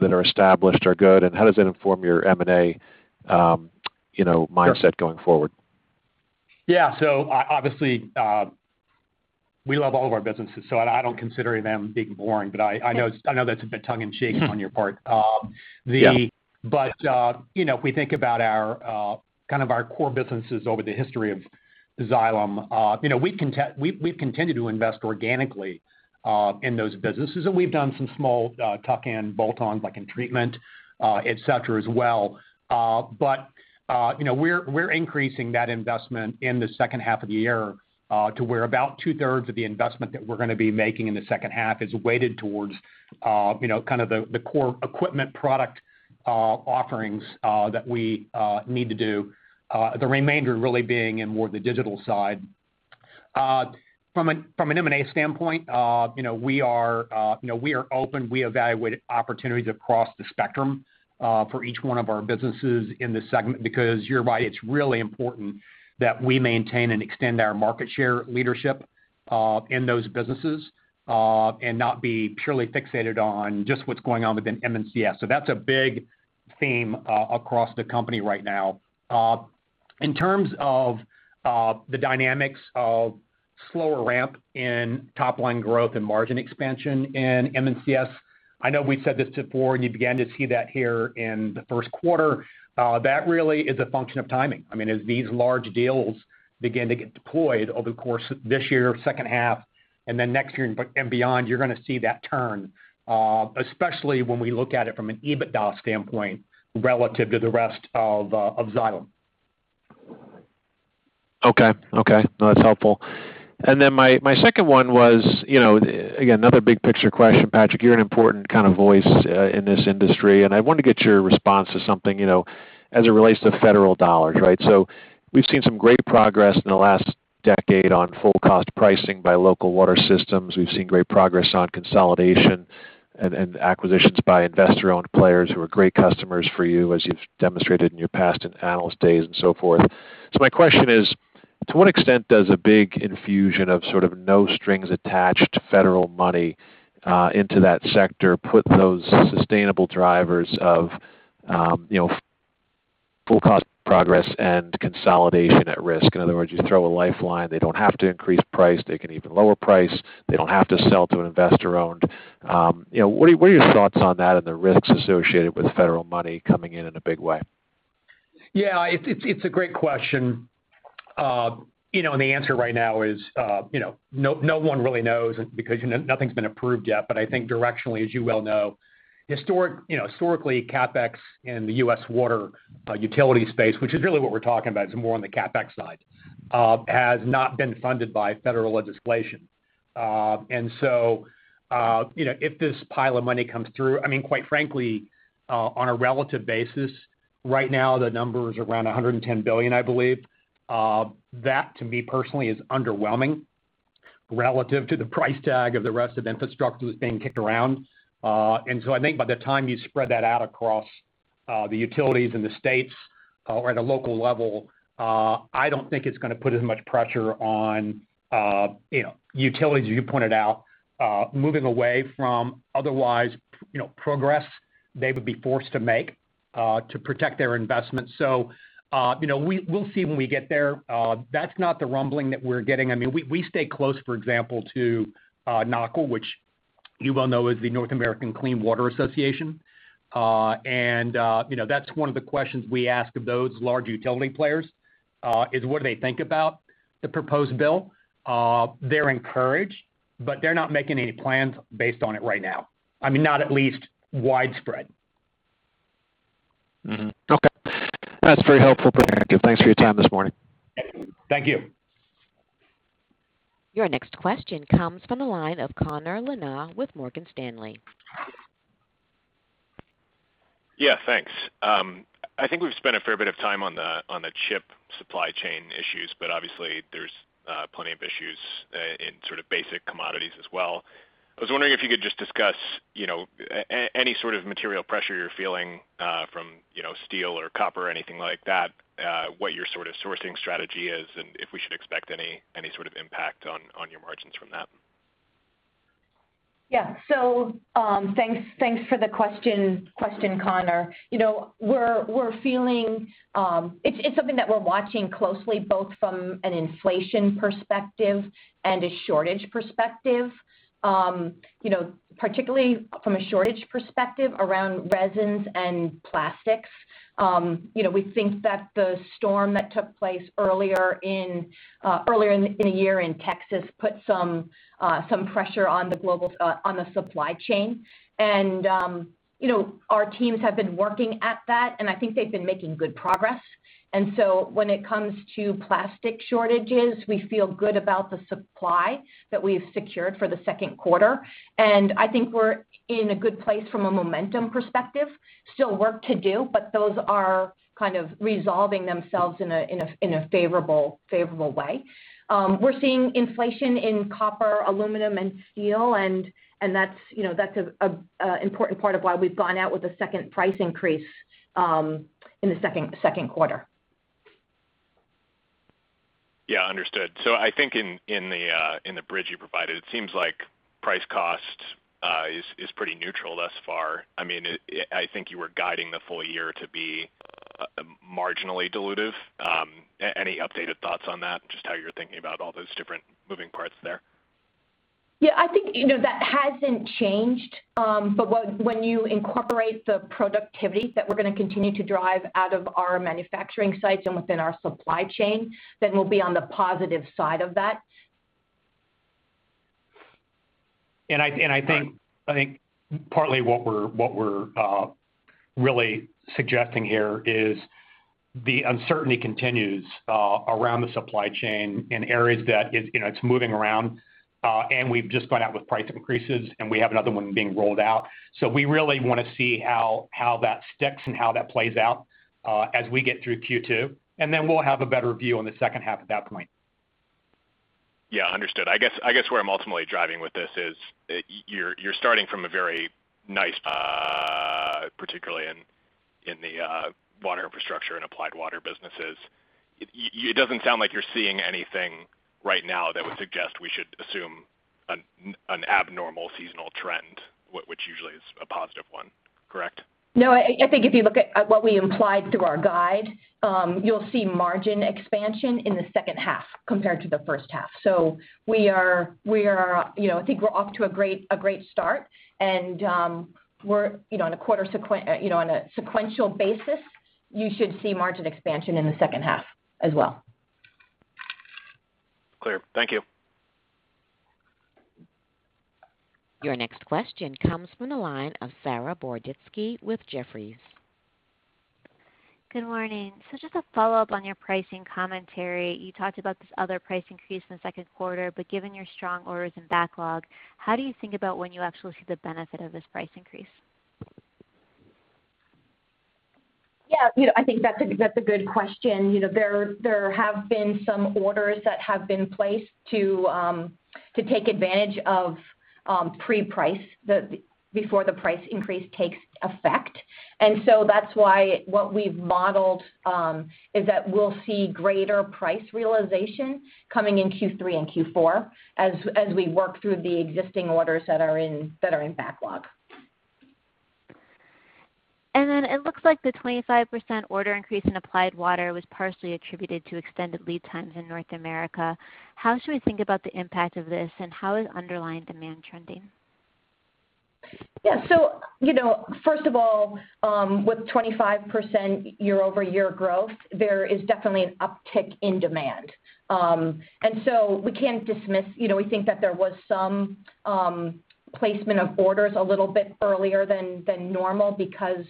[SPEAKER 9] that are established are good, and how does that inform your M&A mindset going forward?
[SPEAKER 3] Obviously, we love all of our businesses, so I don't consider any of them being boring, but I know that's a bit tongue in cheek on your part.
[SPEAKER 9] Yeah.
[SPEAKER 3] If we think about our core businesses over the history of Xylem, we've continued to invest organically in those businesses, and we've done some small tuck-in bolt-ons, like in treatment, et cetera, as well. We're increasing that investment in the second half of the year to where about 2/3 of the investment that we're going to be making in the second half is weighted towards kind of the core equipment product offerings that we need to do, the remainder really being in more the digital side. From an M&A standpoint, we are open. We evaluate opportunities across the spectrum for each one of our businesses in this segment, because you're right, it's really important that we maintain and extend our market share leadership in those businesses, and not be purely fixated on just what's going on within M&CS. That's a big theme across the company right now. In terms of the dynamics of slower ramp in top line growth and margin expansion in M&CS, I know we've said this before, and you began to see that here in the first quarter. That really is a function of timing. As these large deals begin to get deployed over the course of this year, second half, and then next year and beyond, you're going to see that turn, especially when we look at it from an EBITDA standpoint relative to the rest of Xylem.
[SPEAKER 9] Okay. No, that's helpful. Then my second one was, again, another big picture question, Patrick. You're an important kind of voice in this industry, and I wanted to get your response to something as it relates to federal dollars, right? We've seen some great progress in the last decade on full cost pricing by local water systems. We've seen great progress on consolidation and acquisitions by investor-owned players who are great customers for you, as you've demonstrated in your past analyst days and so forth. My question is, to what extent does a big infusion of sort of no strings attached federal money into that sector put those sustainable drivers of full cost progress and consolidation at risk? In other words, you throw a lifeline, they don't have to increase price. They can even lower price. They don't have to sell to an investor-owned. What are your thoughts on that and the risks associated with federal money coming in in a big way?
[SPEAKER 3] Yeah. It's a great question. The answer right now is, no one really knows because nothing's been approved yet. I think directionally, as you well know, historically, CapEx in the U.S. water utility space, which is really what we're talking about, is more on the CapEx side, has not been funded by federal legislation. If this pile of money comes through, quite frankly, on a relative basis, right now the number is around $110 billion, I believe. That, to me personally, is underwhelming relative to the price tag of the rest of the infrastructure that's being kicked around. I think by the time you spread that out across the utilities and the states or at a local level, I don't think it's going to put as much pressure on utilities, as you pointed out, moving away from otherwise progress they would be forced to make to protect their investments. We'll see when we get there. That's not the rumbling that we're getting. We stay close, for example, to NACWA, which you well know is the National Association of Clean Water Agencies. That's one of the questions we ask of those large utility players, is what do they think about the proposed bill? They're encouraged, but they're not making any plans based on it right now. Not at least widespread.
[SPEAKER 9] Okay. That's very helpful, Patrick, and thanks for your time this morning.
[SPEAKER 3] Thank you.
[SPEAKER 1] Your next question comes from the line of Connor Lynagh with Morgan Stanley.
[SPEAKER 10] Yeah, thanks. I think we've spent a fair bit of time on the chip supply chain issues, but obviously there's plenty of issues in sort of basic commodities as well. I was wondering if you could just discuss any sort of material pressure you're feeling from steel or copper or anything like that, what your sort of sourcing strategy is, and if we should expect any sort of impact on your margins from that.
[SPEAKER 4] Yeah. Thanks for the question, Connor. It's something that we're watching closely, both from an inflation perspective and a shortage perspective. Particularly from a shortage perspective around resins and plastics. We think that the storm that took place earlier in the year in Texas put some pressure on the supply chain. Our teams have been working at that, and I think they've been making good progress. When it comes to plastic shortages, we feel good about the supply that we've secured for the second quarter. I think we're in a good place from a momentum perspective. Still work to do, but those are kind of resolving themselves in a favorable way. We're seeing inflation in copper, aluminum, and steel and that's an important part of why we've gone out with a second price increase in the second quarter.
[SPEAKER 10] Yeah, understood. I think in the bridge you provided, it seems like price cost is pretty neutral thus far. I think you were guiding the full year to be marginally dilutive. Any updated thoughts on that? Just how you're thinking about all those different moving parts there.
[SPEAKER 4] Yeah, I think that hasn't changed. When you incorporate the productivity that we're going to continue to drive out of our manufacturing sites and within our supply chain, then we'll be on the positive side of that.
[SPEAKER 3] I think partly what we're really suggesting here is the uncertainty continues around the supply chain in areas that it's moving around. We've just gone out with price increases, and we have another one being rolled out. We really want to see how that sticks and how that plays out as we get through Q2, and then we'll have a better view on the second half at that point.
[SPEAKER 10] Yeah, understood. I guess where I'm ultimately driving with this is you're starting from a very nice, particularly in the Water Infrastructure and Applied Water businesses. It doesn't sound like you're seeing anything right now that would suggest we should assume an abnormal seasonal trend, which usually is a positive one, correct?
[SPEAKER 4] No, I think if you look at what we implied through our guide, you'll see margin expansion in the second half compared to the first half. I think we're off to a great start and on a sequential basis, you should see margin expansion in the second half as well.
[SPEAKER 10] Clear. Thank you.
[SPEAKER 1] Your next question comes from the line of Saree Boroditsky with Jefferies.
[SPEAKER 11] Good morning. Just a follow-up on your pricing commentary. You talked about this other price increase in the second quarter. Given your strong orders and backlog, how do you think about when you actually see the benefit of this price increase?
[SPEAKER 4] Yeah, I think that's a good question. There have been some orders that have been placed to take advantage of pre-price, before the price increase takes effect. That's why what we've modeled is that we'll see greater price realization coming in Q3 and Q4 as we work through the existing orders that are in backlog.
[SPEAKER 11] It looks like the 25% order increase in Applied Water was partially attributed to extended lead times in North America. How should we think about the impact of this, and how is underlying demand trending?
[SPEAKER 4] First of all, with 25% year-over-year growth, there is definitely an uptick in demand. We can't dismiss, we think that there was some placement of orders a little bit earlier than normal because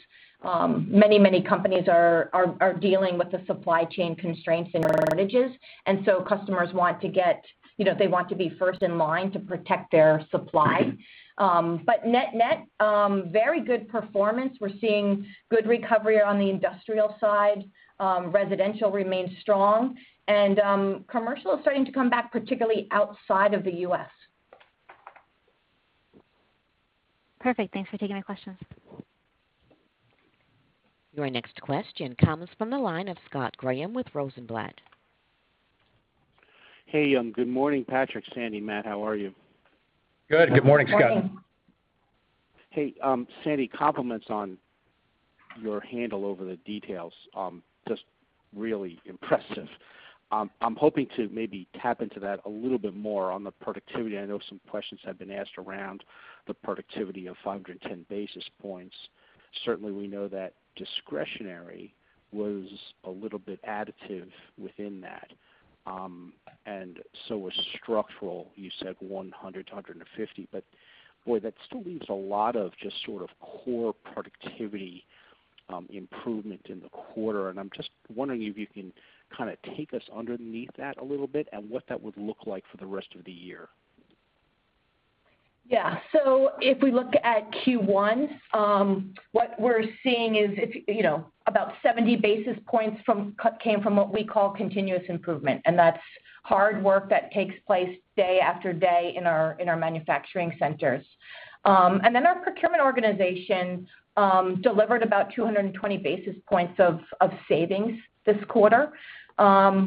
[SPEAKER 4] many companies are dealing with the supply chain constraints and shortages. Customers want to be first in line to protect their supply. Net, very good performance. We're seeing good recovery on the Industrial side, Residential remains strong, and Commercial is starting to come back, particularly outside of the U.S.
[SPEAKER 11] Perfect. Thanks for taking my questions.
[SPEAKER 1] Your next question comes from the line of Scott Graham with Rosenblatt.
[SPEAKER 12] Hey, good morning, Patrick, Sandy, Matt. How are you?
[SPEAKER 3] Good. Good morning, Scott.
[SPEAKER 4] Good morning.
[SPEAKER 12] Hey, Sandy, compliments on your handle over the details. Just really impressive. I'm hoping to maybe tap into that a little bit more on the productivity. I know some questions have been asked around the productivity of 510 basis points. We know that discretionary was a little bit additive within that. Was structural, you said 100 basis points-150 basis points. Boy, that still leaves a lot of just sort of core productivity improvement in the quarter, and I'm just wondering if you can kind of take us underneath that a little bit and what that would look like for the rest of the year.
[SPEAKER 4] If we look at Q1, what we're seeing is about 70 basis points came from what we call continuous improvement, and that's hard work that takes place day after day in our manufacturing centers. Our procurement organization delivered about 220 basis points of savings this quarter,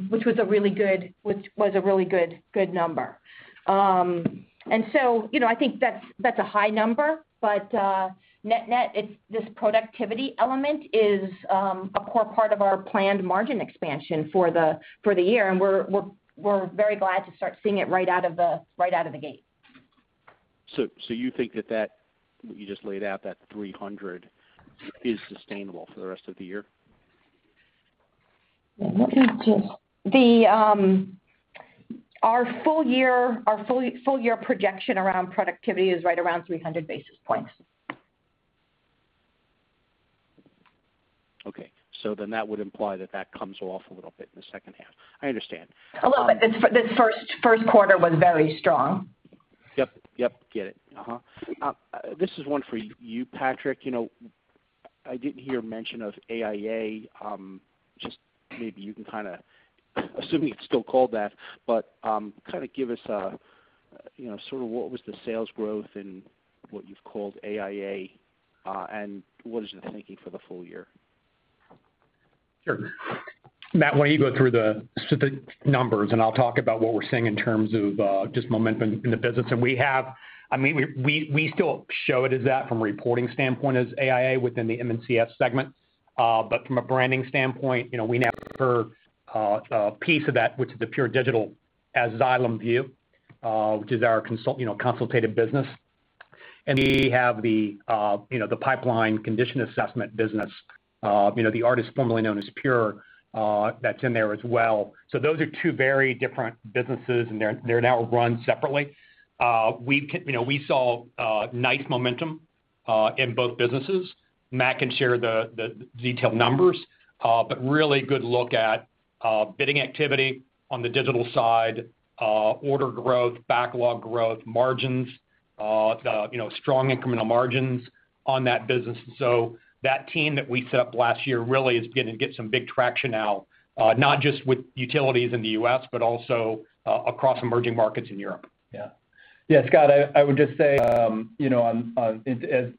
[SPEAKER 4] which was a really good number. I think that's a high number, but net, this productivity element is a core part of our planned margin expansion for the year, and we're very glad to start seeing it right out of the gate.
[SPEAKER 12] You think that what you just laid out, that 300 basis points is sustainable for the rest of the year?
[SPEAKER 4] Our full year projection around productivity is right around 300 basis points.
[SPEAKER 12] Okay. That would imply that that comes off a little bit in the second half. I understand.
[SPEAKER 4] A little bit. The first quarter was very strong.
[SPEAKER 12] Yep. Get it. This is one for you, Patrick. I didn't hear mention of AIA. Just maybe you can, assuming it's still called that, but give us what was the sales growth in what you've called AIA? What is the thinking for the full year?
[SPEAKER 3] Sure. Matt, why don't you go through the specific numbers, and I'll talk about what we're seeing in terms of just momentum in the business. We still show it as that from a reporting standpoint, as AIA within the M&CS segment. From a branding standpoint, we now refer a piece of that, which is the pure digital, as Xylem Vue, which is our consultative business. We have the pipeline condition assessment business. The Artis, formerly known as Pure, that's in there as well. Those are two very different businesses, and they're now run separately. We saw nice momentum in both businesses. Matt can share the detailed numbers. Really good look at bidding activity on the digital side, order growth, backlog growth, margins, strong incremental margins on that business. That team that we set up last year really is beginning to get some big traction now, not just with Utilities in the U.S., but also across emerging markets in Europe.
[SPEAKER 2] Yeah. Scott, I would just say,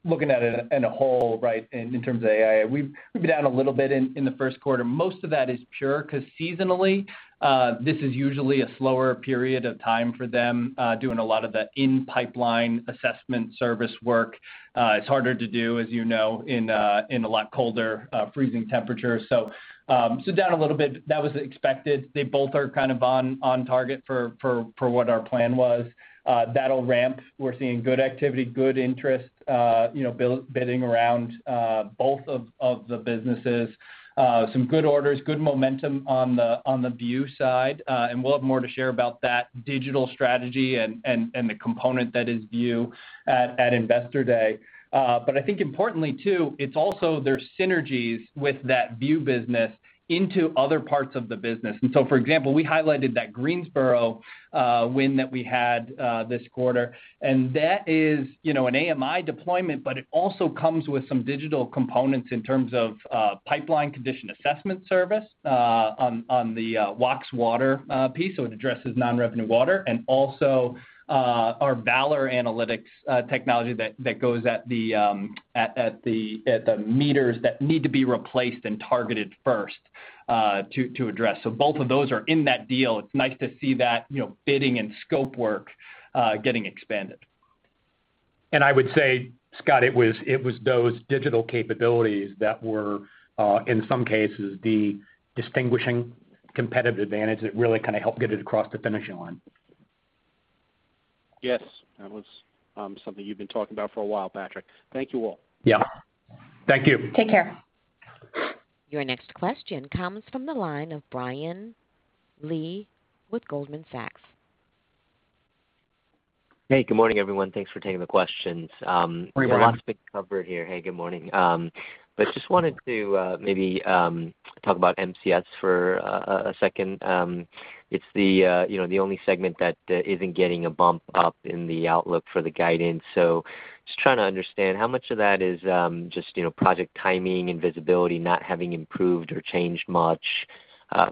[SPEAKER 2] looking at it in a whole, in terms of AIA, we'd be down a little bit in the first quarter. Most of that is Pure, because seasonally, this is usually a slower period of time for them, doing a lot of the in-pipeline assessment service work. It's harder to do, as you know, in a lot colder, freezing temperatures. Down a little bit. That was expected. They both are on target for what our plan was. That'll ramp. We're seeing good activity, good interest, bidding around both of the businesses. Some good orders, good momentum on the Vue side. We'll have more to share about that digital strategy and the component that is Vue at Investor Day. I think importantly, too, it's also there's synergies with that Vue business into other parts of the business. For example, we highlighted that Greensboro win that we had this quarter. That is an AMI deployment, but it also comes with some digital components in terms of pipeline condition assessment service on the Wachs Water piece, so it addresses non-revenue water, and also our Valor analytics technology that goes at the meters that need to be replaced and targeted first to address. Both of those are in that deal. It's nice to see that bidding and scope work getting expanded.
[SPEAKER 3] I would say, Scott, it was those digital capabilities that were, in some cases, the distinguishing competitive advantage that really helped get it across the finishing line.
[SPEAKER 12] Yes. That was something you've been talking about for a while, Patrick. Thank you all.
[SPEAKER 3] Yeah. Thank you.
[SPEAKER 4] Take care.
[SPEAKER 1] Your next question comes from the line of Brian Lee with Goldman Sachs.
[SPEAKER 13] Hey, good morning, everyone. Thanks for taking the questions.
[SPEAKER 3] Morning, Brian.
[SPEAKER 13] We have a lot to cover here. Hey, good morning. Just wanted to maybe talk about M&CS for a second. It's the only segment that isn't getting a bump up in the outlook for the guidance. Just trying to understand, how much of that is just project timing and visibility not having improved or changed much,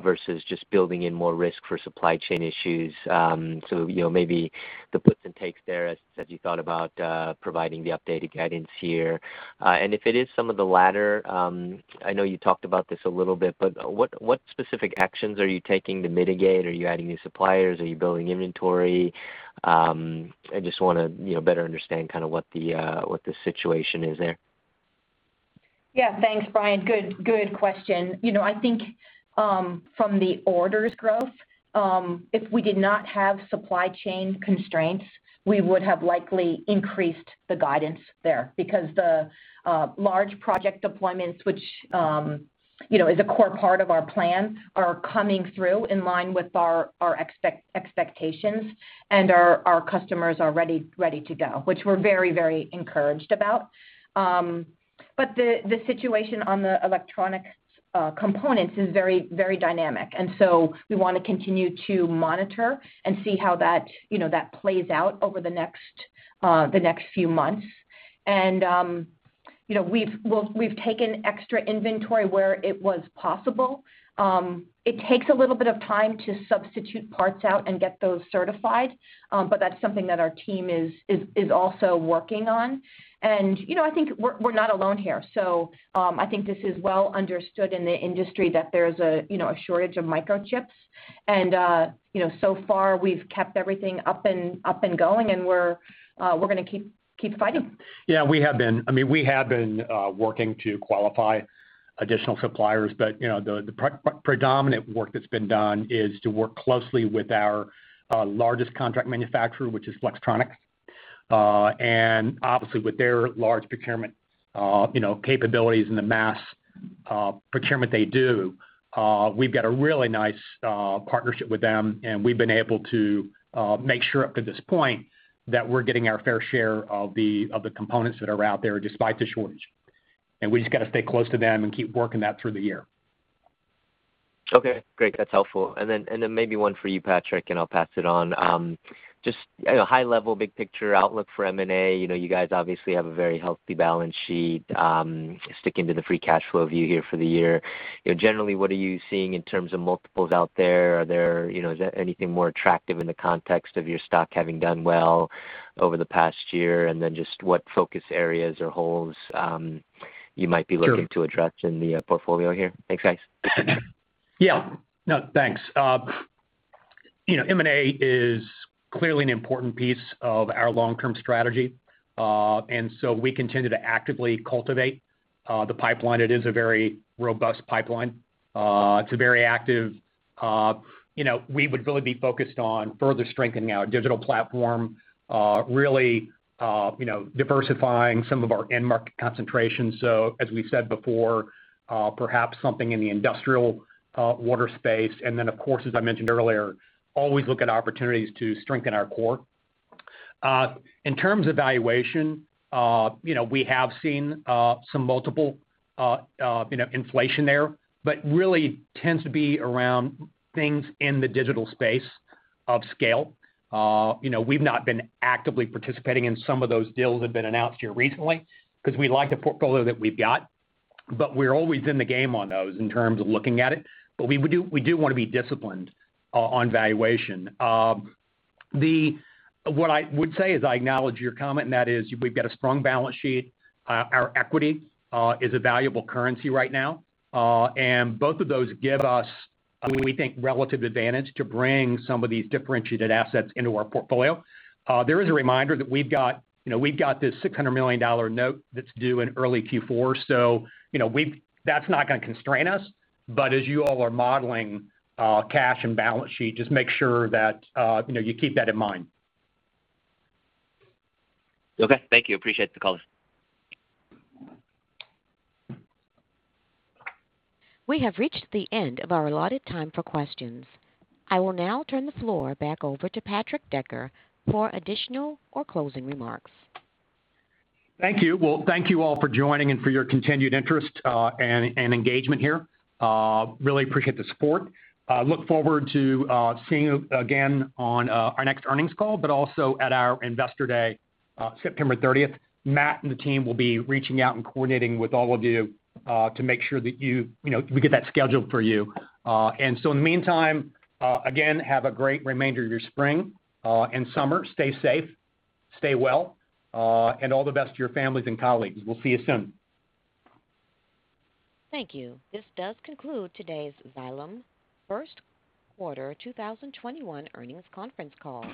[SPEAKER 13] versus just building in more risk for supply chain issues? Maybe the puts and takes there as you thought about providing the updated guidance here. If it is some of the latter, I know you talked about this a little bit, but what specific actions are you taking to mitigate? Are you adding new suppliers? Are you building inventory? I just want to better understand what the situation is there.
[SPEAKER 4] Yeah. Thanks, Brian. Good question. I think from the orders growth, if we did not have supply chain constraints, we would have likely increased the guidance there, because the large project deployments, which is a core part of our plan, are coming through in line with our expectations, and our customers are ready to go, which we're very encouraged about. The situation on the electronic components is very dynamic, we want to continue to monitor and see how that plays out over the next few months. We've taken extra inventory where it was possible. It takes a little bit of time to substitute parts out and get those certified, but that's something that our team is also working on. I think we're not alone here. I think this is well understood in the industry that there's a shortage of microchips. So far we've kept everything up and going, and we're going to keep fighting.
[SPEAKER 3] Yeah, we have been working to qualify additional suppliers, but the predominant work that's been done is to work closely with our largest contract manufacturer, which is Flextronics. Obviously with their large procurement capabilities and the mass procurement they do, we've got a really nice partnership with them, and we've been able to make sure up to this point that we're getting our fair share of the components that are out there despite the shortage. We've just got to stay close to them and keep working that through the year.
[SPEAKER 13] Okay, great. That's helpful. Maybe one for you, Patrick, and I'll pass it on. Just high level, big picture outlook for M&A. You guys obviously have a very healthy balance sheet, sticking to the free cash flow view here for the year. Generally, what are you seeing in terms of multiples out there? Is there anything more attractive in the context of your stock having done well over the past year? Then just what focus areas or holes you might be?
[SPEAKER 3] Sure
[SPEAKER 13] to address in the portfolio here? Thanks, guys.
[SPEAKER 3] Yeah. No, thanks. M&A is clearly an important piece of our long-term strategy. We continue to actively cultivate the pipeline. It is a very robust pipeline. It's very active. We would really be focused on further strengthening our digital platform, really diversifying some of our end market concentration. As we've said before, perhaps something in the Industrial water space. Of course, as I mentioned earlier, always look at opportunities to strengthen our core. In terms of valuation, we have seen some multiple inflation there, but really tends to be around things in the digital space of scale. We've not been actively participating in some of those deals that have been announced here recently because we like the portfolio that we've got, but we're always in the game on those in terms of looking at it. We do want to be disciplined on valuation. What I would say is I acknowledge your comment, and that is we've got a strong balance sheet. Our equity is a valuable currency right now. Both of those give us, we think, relative advantage to bring some of these differentiated assets into our portfolio. There is a reminder that we've got this $600 million note that's due in early Q4, so that's not going to constrain us, but as you all are modeling cash and balance sheet, just make sure that you keep that in mind.
[SPEAKER 13] Okay, thank you. Appreciate the call.
[SPEAKER 1] We have reached the end of our allotted time for questions. I will now turn the floor back over to Patrick Decker for additional or closing remarks.
[SPEAKER 3] Thank you. Well, thank you all for joining and for your continued interest and engagement here. Really appreciate the support. Look forward to seeing you again on our next earnings call, but also at our Investor Day, September 30th. Matt and the team will be reaching out and coordinating with all of you, to make sure that we get that scheduled for you. In the meantime, again, have a great remainder of your spring and summer. Stay safe, stay well, and all the best to your families and colleagues. We'll see you soon.
[SPEAKER 1] Thank you. This does conclude today's Xylem First Quarter 2021 earnings conference call.